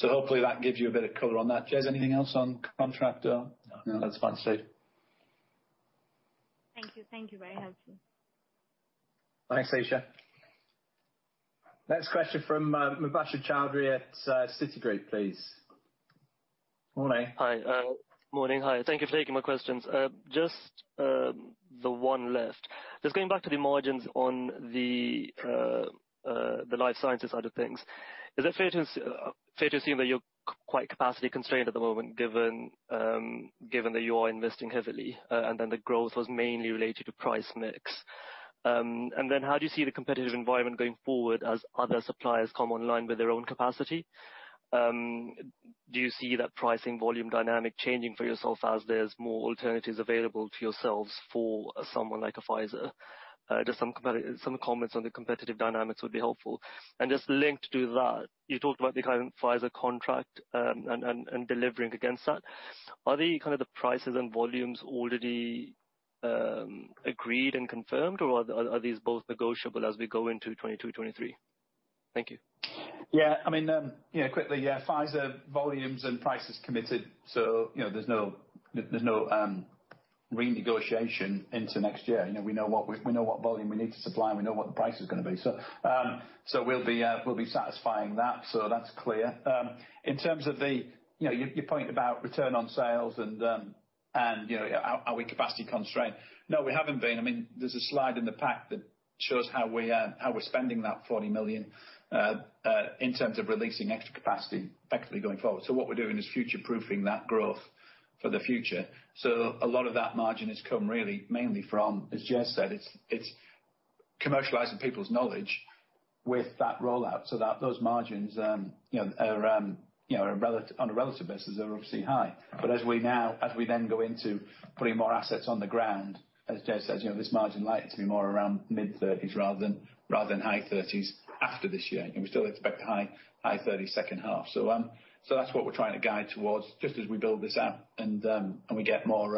Hopefully, that gives you a bit of color on that. Jez, anything else on contract? No, that's fine. Steve. Thank you. Very helpful. Thanks, Isha. Next question from Mubasher Chaudhry at Citigroup, please. Morning. Hi. Morning. Hi. Thank you for taking my questions. The one left. Going back to the margins on the Life Sciences side of things. Is it fair to assume that you're quite capacity constrained at the moment, given that you are investing heavily, and then the growth was mainly related to price mix? How do you see the competitive environment going forward as other suppliers come online with their own capacity? Do you see that pricing volume dynamic changing for yourself as there's more alternatives available to yourselves for someone like a Pfizer? Some comments on the competitive dynamics would be helpful. Linked to that, you talked about the current Pfizer contract, and delivering against that. Are the prices and volumes already agreed and confirmed, or are these both negotiable as we go into 2022, 2023? Thank you. Quickly, Pfizer volumes and prices committed, there's no renegotiation into next year. We know what volume we need to supply, we know what the price is going to be. We'll be satisfying that's clear. In terms of your point about return on sales and are we capacity constrained? No, we haven't been. There's a slide in the pack that shows how we're spending that 40 million in terms of releasing extra capacity effectively going forward. What we're doing is future-proofing that growth for the future. A lot of that margin has come really mainly from, as Jez said, it's commercializing people's knowledge with that rollout so that those margins, on a relative basis, are obviously high. As we then go into putting more assets on the ground, as Jez says, this margin likely to be more around mid-30s% rather than high 30s% after this year. We still expect a high 30s% second half. That's what we're trying to guide towards, just as we build this out and we get more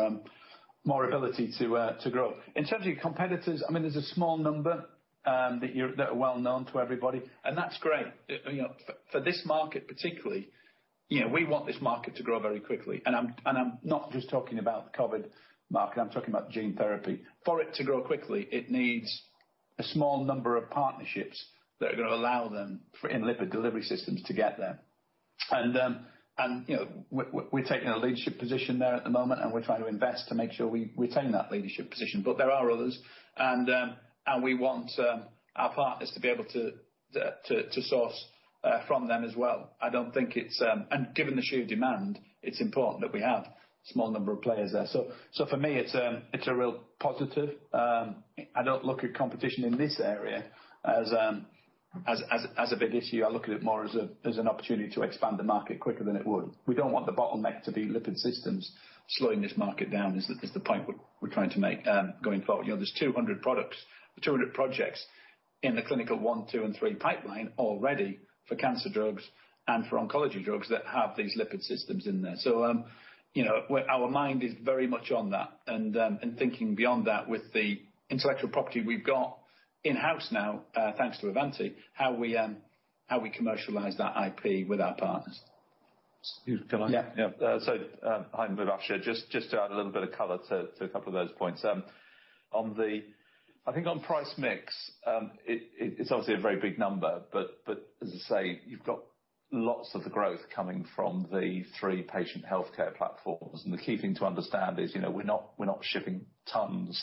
ability to grow. In terms of your competitors, there's a small number that are well-known to everybody, and that's great. For this market particularly, we want this market to grow very quickly. I'm not just talking about the COVID-19 market, I'm talking about gene therapy. For it to grow quickly, it needs a small number of partnerships that are going to allow them, in lipid delivery systems, to get there. We're taking a leadership position there at the moment, and we're trying to invest to make sure we retain that leadership position. There are others, and we want our partners to be able to source from them as well. Given the sheer demand, it's important that we have a small number of players there. For me, it's a real positive. I don't look at competition in this area as a big issue. I look at it more as an opportunity to expand the market quicker than it would. We don't want the bottleneck to be lipid systems slowing this market down, is the point we're trying to make going forward. There's 200 projects in the clinical I, II, and III pipeline already for cancer drugs and for oncology drugs that have these lipid systems in there. Our mind is very much on that. Thinking beyond that with the intellectual property we've got in-house now, thanks to Avanti, how we commercialize that IP with our partners. Steve, can I? Yeah. Hi Mubasher. Just to add a little bit of color to a couple of those points. I think on price mix, it's obviously a very big number, but as I say, Lots of the growth coming from the three patient healthcare platforms. The key thing to understand is, we're not shipping tons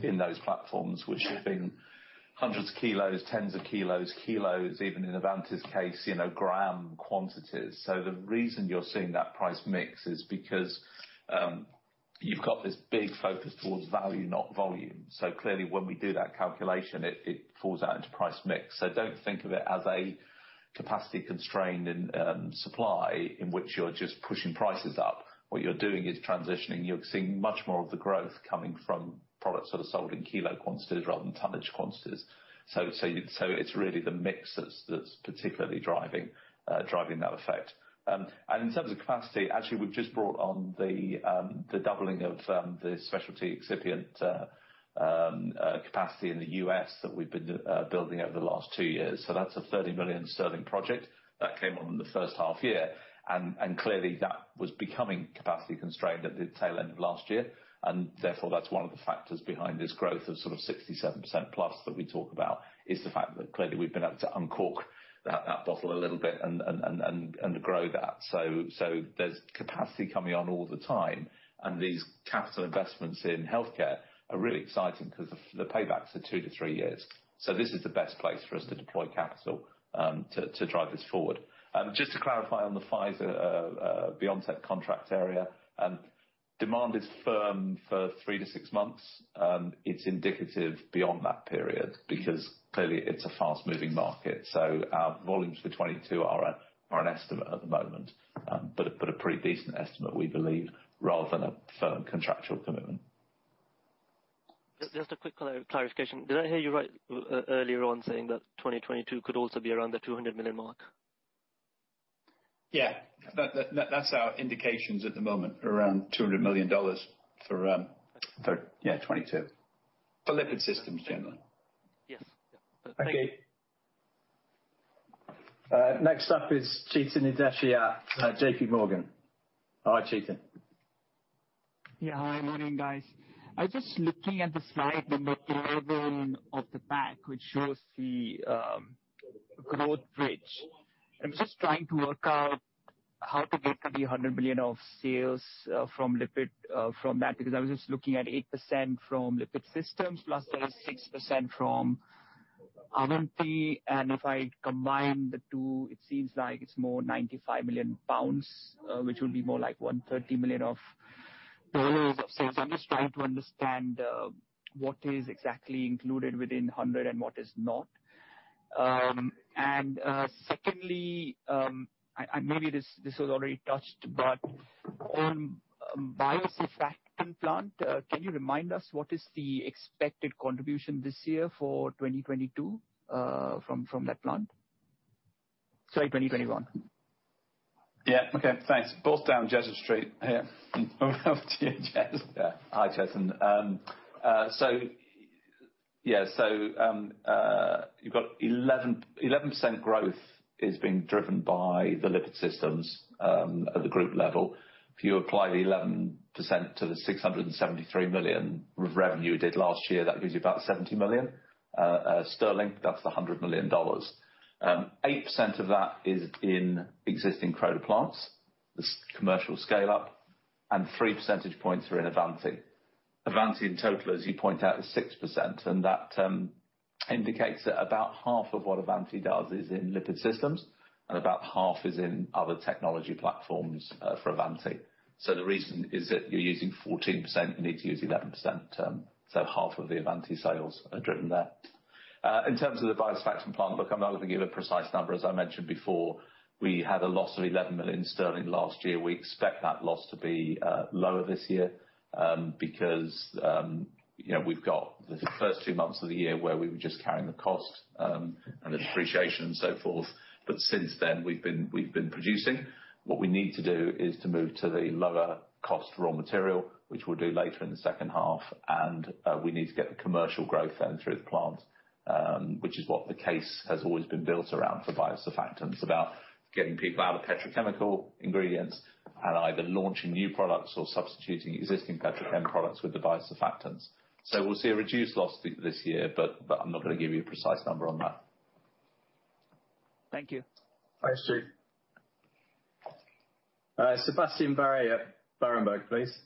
in those platforms. We're shipping hundreds of kilos, tens of kilos, even in Avanti's case, gram quantities. The reason you're seeing that price mix is because you've got this big focus towards value, not volume. Clearly, when we do that calculation, it falls out into price mix. Don't think of it as a capacity constraint and supply in which you're just pushing prices up. What you're doing is transitioning. You're seeing much more of the growth coming from products that are sold in kilo quantities rather than tonnage quantities. It's really the mix that's particularly driving that effect. In terms of capacity, actually, we've just brought on the doubling of the specialty excipient capacity in the U.S. that we've been building over the last two years. That's a 30 million sterling project that came on in the first half year, and clearly, that was becoming capacity constrained at the tail end of last year. Therefore, that's one of the factors behind this growth of 67% plus that we talk about, is the fact that clearly we've been able to uncork that bottle a little bit and grow that. There's capacity coming on all the time, and these capital investments in healthcare are really exciting because the paybacks are two to three years. This is the best place for us to deploy capital to drive this forward. Just to clarify on the Pfizer-BioNTech contract area, demand is firm for three to six months. It's indicative beyond that period because clearly it's a fast-moving market. Our volumes for 2022 are an estimate at the moment. A pretty decent estimate, we believe, rather than a firm contractual commitment. Just a quick clarification. Did I hear you right earlier on saying that 2022 could also be around the 200 million mark? Yeah. That's our indications at the moment, around $200 million for- Okay. Yeah, 2022. For lipid systems, generally. Yes. Yeah. Thank you. Okay. Next up is Chetan Udeshi at JPMorgan. Hi, Chetan. Hi. Morning, guys. I was just looking at slide number 11 of the pack, which shows the growth bridge. I'm just trying to work out how to get to the 100 million of sales from lipid from that, because I was just looking at 8% from lipid systems, plus there is 6% from Avanti, and if I combine the two, it seems like it is more 95 million pounds, which will be more like $130 million of dollars of sales. I'm just trying to understand what is exactly included within 100 and what is not. Secondly, maybe this was already touched, but on biosurfactant plant, can you remind us what is the expected contribution this year for 2022 from that plant? Sorry, 2021. Yeah. Okay, thanks. Both down Jez here. Over to you, Jez. Hi, Chetan. You've got 11% growth is being driven by the lipid systems at the group level. If you apply the 11% to the 673 million of revenue you did last year, that gives you about 70 million sterling. That's the $100 million. 8% of that is in existing Croda plants, this commercial scale-up, and three percentage points are in Avanti. Avanti, in total, as you point out, is 6%, and that indicates that about half of what Avanti does is in lipid systems, and about half is in other technology platforms for Avanti. The reason is that you're using 14%, you need to use 11%, half of the Avanti sales are driven there. In terms of the biosurfactant plant, look, I'm not going to give a precise number. As I mentioned before, we had a loss of 11 million sterling last year. We expect that loss to be lower this year, because we've got the first two months of the year where we were just carrying the cost and the depreciation and so forth. Since then, we've been producing. What we need to do is to move to the lower cost raw material, which we'll do later in the second half, and we need to get the commercial growth then through the plant, which is what the case has always been built around for biosurfactants, about getting people out of petrochemical ingredients and either launching new products or substituting existing petrochem products with the biosurfactants. We'll see a reduced loss this year, but I'm not going to give you a precise number on that. Thank you. Thanks, Chetan. Sebastian Bray at Berenberg, please.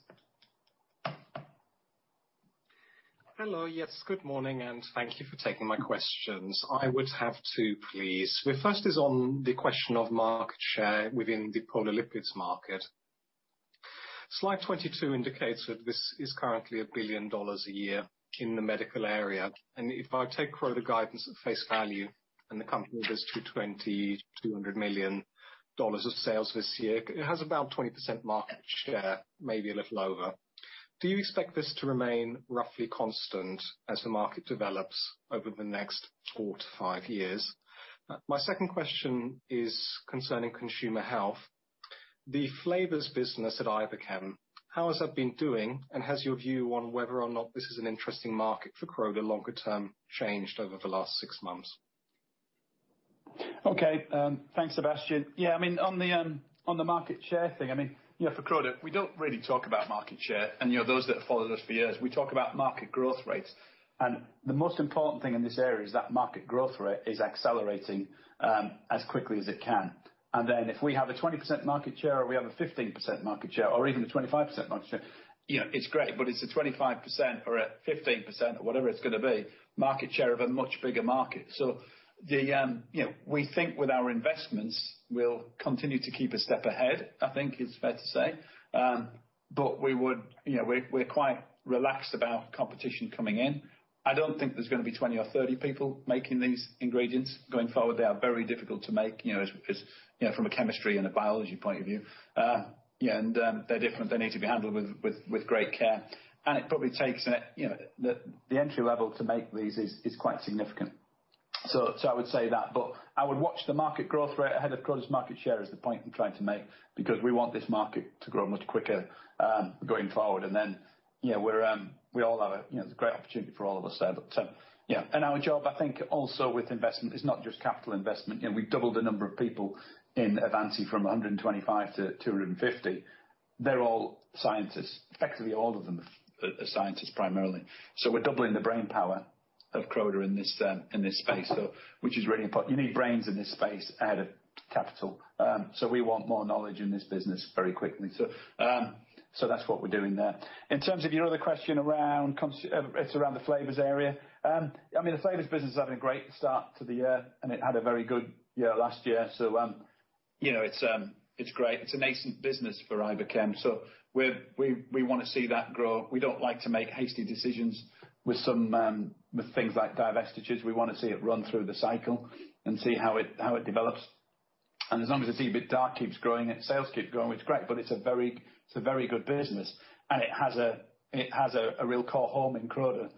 Hello. Yes, good morning. Thank you for taking my questions. I would have two, please. The first is on the question of market share within the polar lipids market. Slide 22 indicates that this is currently $1 billion a year in the medical area. If I take Croda guidance at face value, the company does $200 million of sales this year, it has about 20% market share, maybe a little over. Do you expect this to remain roughly constant as the market develops over the next four to five years? My second question is concerning consumer health. The flavors business at Iberchem, how has that been doing? Has your view on whether or not this is an interesting market for Croda longer term changed over the last six months? Okay. Thanks, Sebastian. Yeah, on the market share thing, for Croda, we don't really talk about market share, and those that have followed us for years, we talk about market growth rates. The most important thing in this area is that market growth rate is accelerating as quickly as it can. If we have a 20% market share or we have a 15% market share or even a 25% market share, it's great, but it's a 25% or a 15%, or whatever it's going to be, market share of a much bigger market. We think with our investments, we'll continue to keep a step ahead, I think is fair to say. We're quite relaxed about competition coming in. I don't think there's going to be 20 or 30 people making these ingredients going forward. They are very difficult to make from a chemistry and a biology point of view. They're different. They need to be handled with great care. The entry level to make these is quite significant. I would say that, but I would watch the market growth rate ahead of Croda's market share is the point I'm trying to make, because we want this market to grow much quicker going forward. There's a great opportunity for all of us there. Yeah. Our job, I think also with investment, is not just capital investment. We've doubled the number of people in Avanti from 125 to 250. They're all scientists. Effectively all of them are scientists primarily. We're doubling the brainpower of Croda in this space, which is really important. You need brains in this space ahead of capital. We want more knowledge in this business very quickly. That's what we're doing there. In terms of your other question around the flavors area. The flavors business is having a great start to the year, and it had a very good year last year. It's great. It's a nascent business for Iberchem. We want to see that grow. We don't like to make hasty decisions with things like divestitures. We want to see it run through the cycle and see how it develops. As long as the EBITDA keeps growing and sales keep growing, it's great. It's a very good business, and it has a real core home in Croda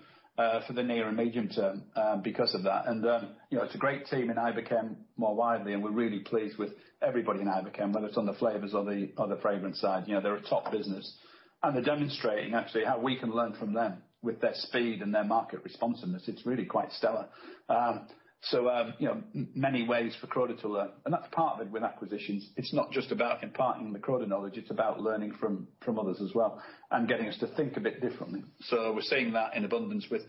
for the near and medium term because of that. It's a great team in Iberchem more widely, and we're really pleased with everybody in Iberchem, whether it's on the flavors or the fragrance side. They're a top business, and they're demonstrating actually how we can learn from them with their speed and their market responsiveness. It's really quite stellar. Many ways for Croda to learn, and that's partnered with acquisitions. It's not just about imparting the Croda knowledge, it's about learning from others as well and getting us to think a bit differently. We're seeing that in abundance with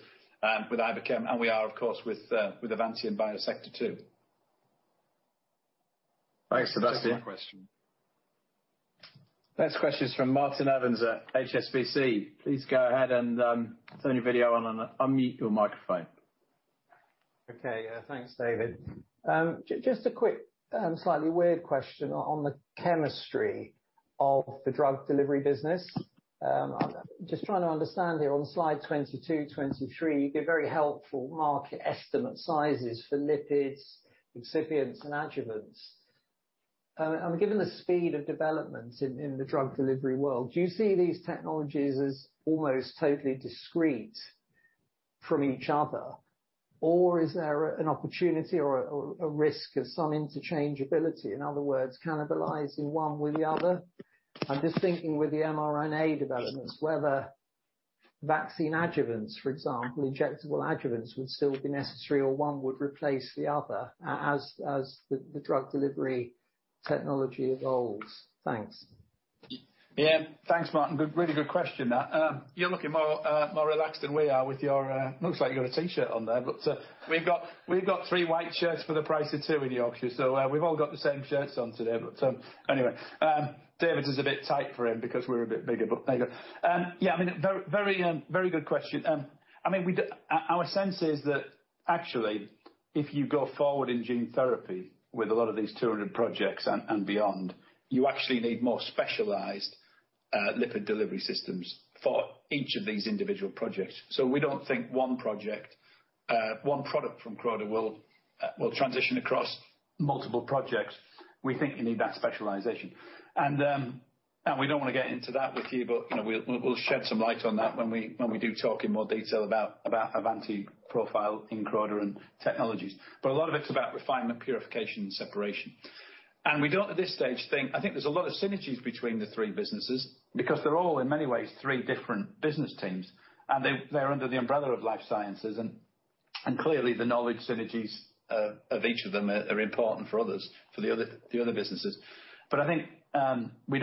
Iberchem, and we are, of course, with Avanti and Biosector too. Thanks, Sebastian. Does that answer your question? Next question is from Martin Evans at HSBC. Please go ahead and turn your video on and unmute your microphone. Okay. Thanks, David. Just a quick, slightly weird question on the chemistry of the drug delivery business. I'm just trying to understand here on slide 22, 23, you give very helpful market estimate sizes for lipids, excipients, and adjuvants. Given the speed of development in the drug delivery world, do you see these technologies as almost totally discrete from each other, or is there an opportunity or a risk of some interchangeability, in other words, cannibalizing one with the other? I'm just thinking with the mRNA developments, whether vaccine adjuvants, for example, injectable adjuvants would still be necessary or one would replace the other as the drug delivery technology evolves. Thanks. Yeah. Thanks, Martin. Really good question. You're looking more relaxed than we are. Looks like you've got a T-shirt on there, but we've got three white shirts for the price of two in Yorkshire, so we've all got the same shirts on today. Anyway, David's is a bit tight for him because we're a bit bigger. There you go. Yeah, very good question. Our sense is that actually, if you go forward in gene therapy with a lot of these 200 projects and beyond, you actually need more specialized lipid delivery systems for each of these individual projects. We don't think one product from Croda will transition across multiple projects. We think you need that specialization. We don't want to get into that with you, we'll shed some light on that when we do talk in more detail about Avanti profile in Croda and technologies. A lot of it's about refinement, purification, and separation. We don't at this stage think there's a lot of synergies between the three businesses because they're all in many ways three different business teams, and they're under the umbrella of Life Sciences. Clearly the knowledge synergies of each of them are important for the other businesses. We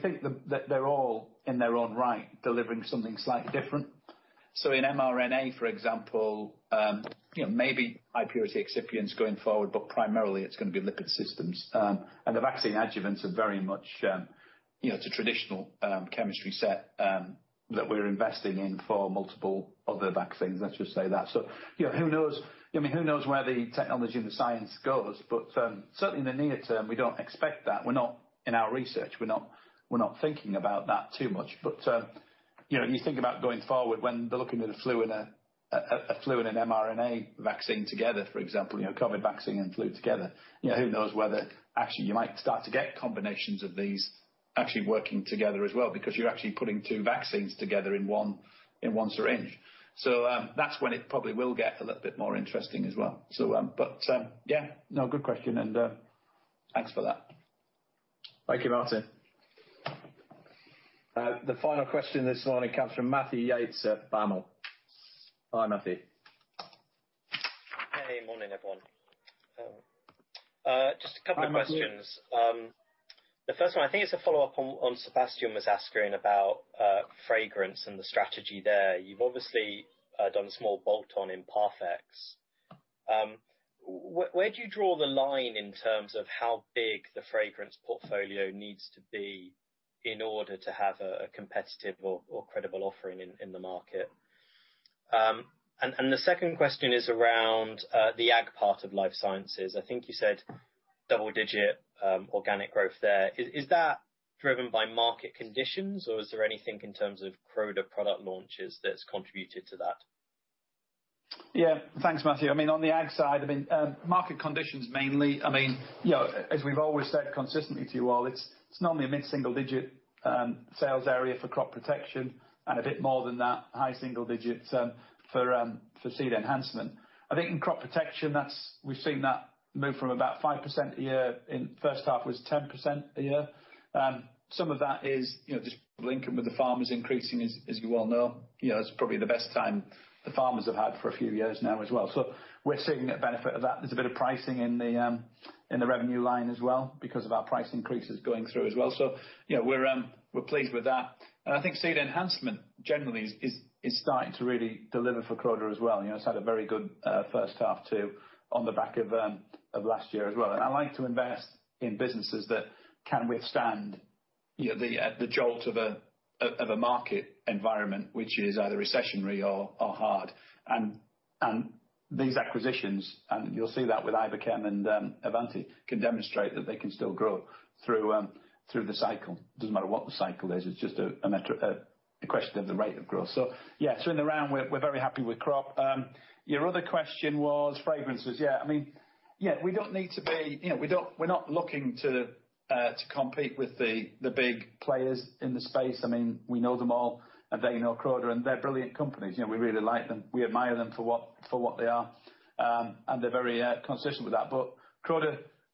think that they're all in their own right delivering something slightly different. In mRNA, for example, maybe high purity excipient is going forward, primarily it's going to be lipid systems. The vaccine adjuvants are very much, it's a traditional chemistry set that we're investing in for multiple other vaccines, let's just say that. Who knows where the technology and the science goes, but certainly in the near term, we don't expect that. In our research, we're not thinking about that too much. You think about going forward when they're looking at a flu and an mRNA vaccine together, for example, COVID vaccine and flu together. Who knows whether actually you might start to get combinations of these actually working together as well because you're actually putting two vaccines together in one syringe. That's when it probably will get a little bit more interesting as well. Yeah, no, good question, and thanks for that. Thank you, Martin. The final question this morning comes from Matthew Yates at BAML. Go on, Matthew. Hey, morning, everyone. Just a couple of questions. Hi, Matthew. The first one, I think it's a follow-up on what Sebastian was asking about fragrance and the strategy there. You've obviously done a small bolt-on in Parfex. Where do you draw the line in terms of how big the fragrance portfolio needs to be in order to have a competitive or credible offering in the market? The second question is around the Ag part of Life Sciences. I think you said double-digit organic growth there. Is that driven by market conditions or is there anything in terms of Croda product launches that's contributed to that? Yeah. Thanks, Matthew. On the ag side, market conditions mainly. As we've always said consistently to you all, it's normally a mid-single digit sales area for crop protection, and a bit more than that, high single digits for seed enhancement. I think in crop protection, we've seen that move from about 5% a year. In the first half it was 10% a year. Some of that is just linking with the farmers increasing, as you well know. It's probably the best time the farmers have had for a few years now as well. We're seeing a benefit of that. There's a bit of pricing in the revenue line as well because of our price increases going through as well. We're pleased with that. I think seed enhancement generally is starting to really deliver for Croda as well. It's had a very good first half too, on the back of last year as well. I like to invest in businesses that can withstand the jolt of a market environment which is either recessionary or hard. These acquisitions, and you'll see that with Iberchem and Avanti, can demonstrate that they can still grow through the cycle. It doesn't matter what the cycle is. It's just a question of the rate of growth. In the round, we're very happy with Croda. Your other question was fragrances. We're not looking to compete with the big players in the space. We know them all, they know Croda, they're brilliant companies. We really like them. We admire them for what they are, they're very consistent with that.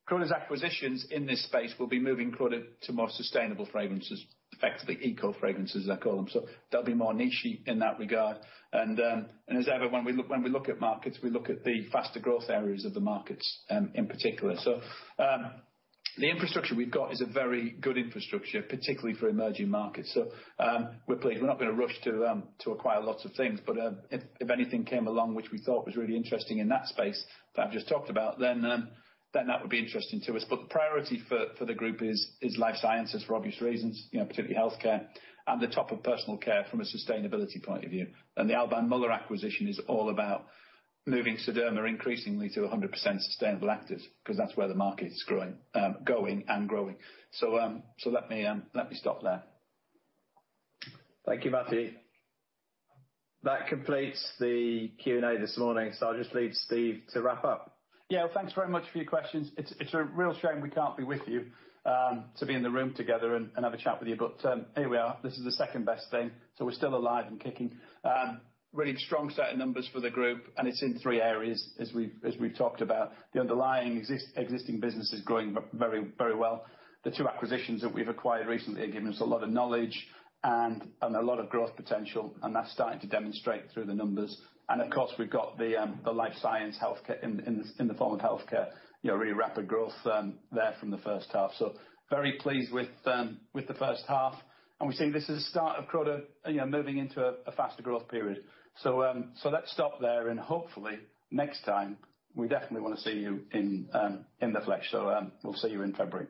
Croda's acquisitions in this space will be moving Croda to more sustainable fragrances, effectively eco fragrances, as I call them. They'll be more niche-y in that regard. As ever, when we look at markets, we look at the faster growth areas of the markets in particular. The infrastructure we've got is a very good infrastructure, particularly for emerging markets. We're pleased. We're not going to rush to acquire lots of things. If anything came along, which we thought was really interesting in that space that I've just talked about, then that would be interesting to us. The priority for the group is Life Sciences for obvious reasons, particularly healthcare and the top of Personal Care from a sustainability point of view. The Alban Muller acquisition is all about moving Sederma increasingly to 100% sustainable actives, because that's where the market is going and growing. Let me stop there. Thank you, Matthew. That completes the Q&A this morning, so I'll just leave Steve to wrap up. Yeah. Thanks very much for your questions. It's a real shame we can't be with you, to be in the room together and have a chat with you. Here we are. This is the second-best thing, we're still alive and kicking. Really strong set of numbers for the group, and it's in three areas as we've talked about. The underlying existing business is growing very well. The two acquisitions that we've acquired recently have given us a lot of knowledge and a lot of growth potential, and that's starting to demonstrate through the numbers. Of course, we've got the Life Sciences in the form of healthcare, really rapid growth there from the first half. Very pleased with the first half, and we're seeing this as the start of Croda moving into a faster growth period. Let's stop there, and hopefully next time we definitely want to see you in the flesh. We'll see you in February.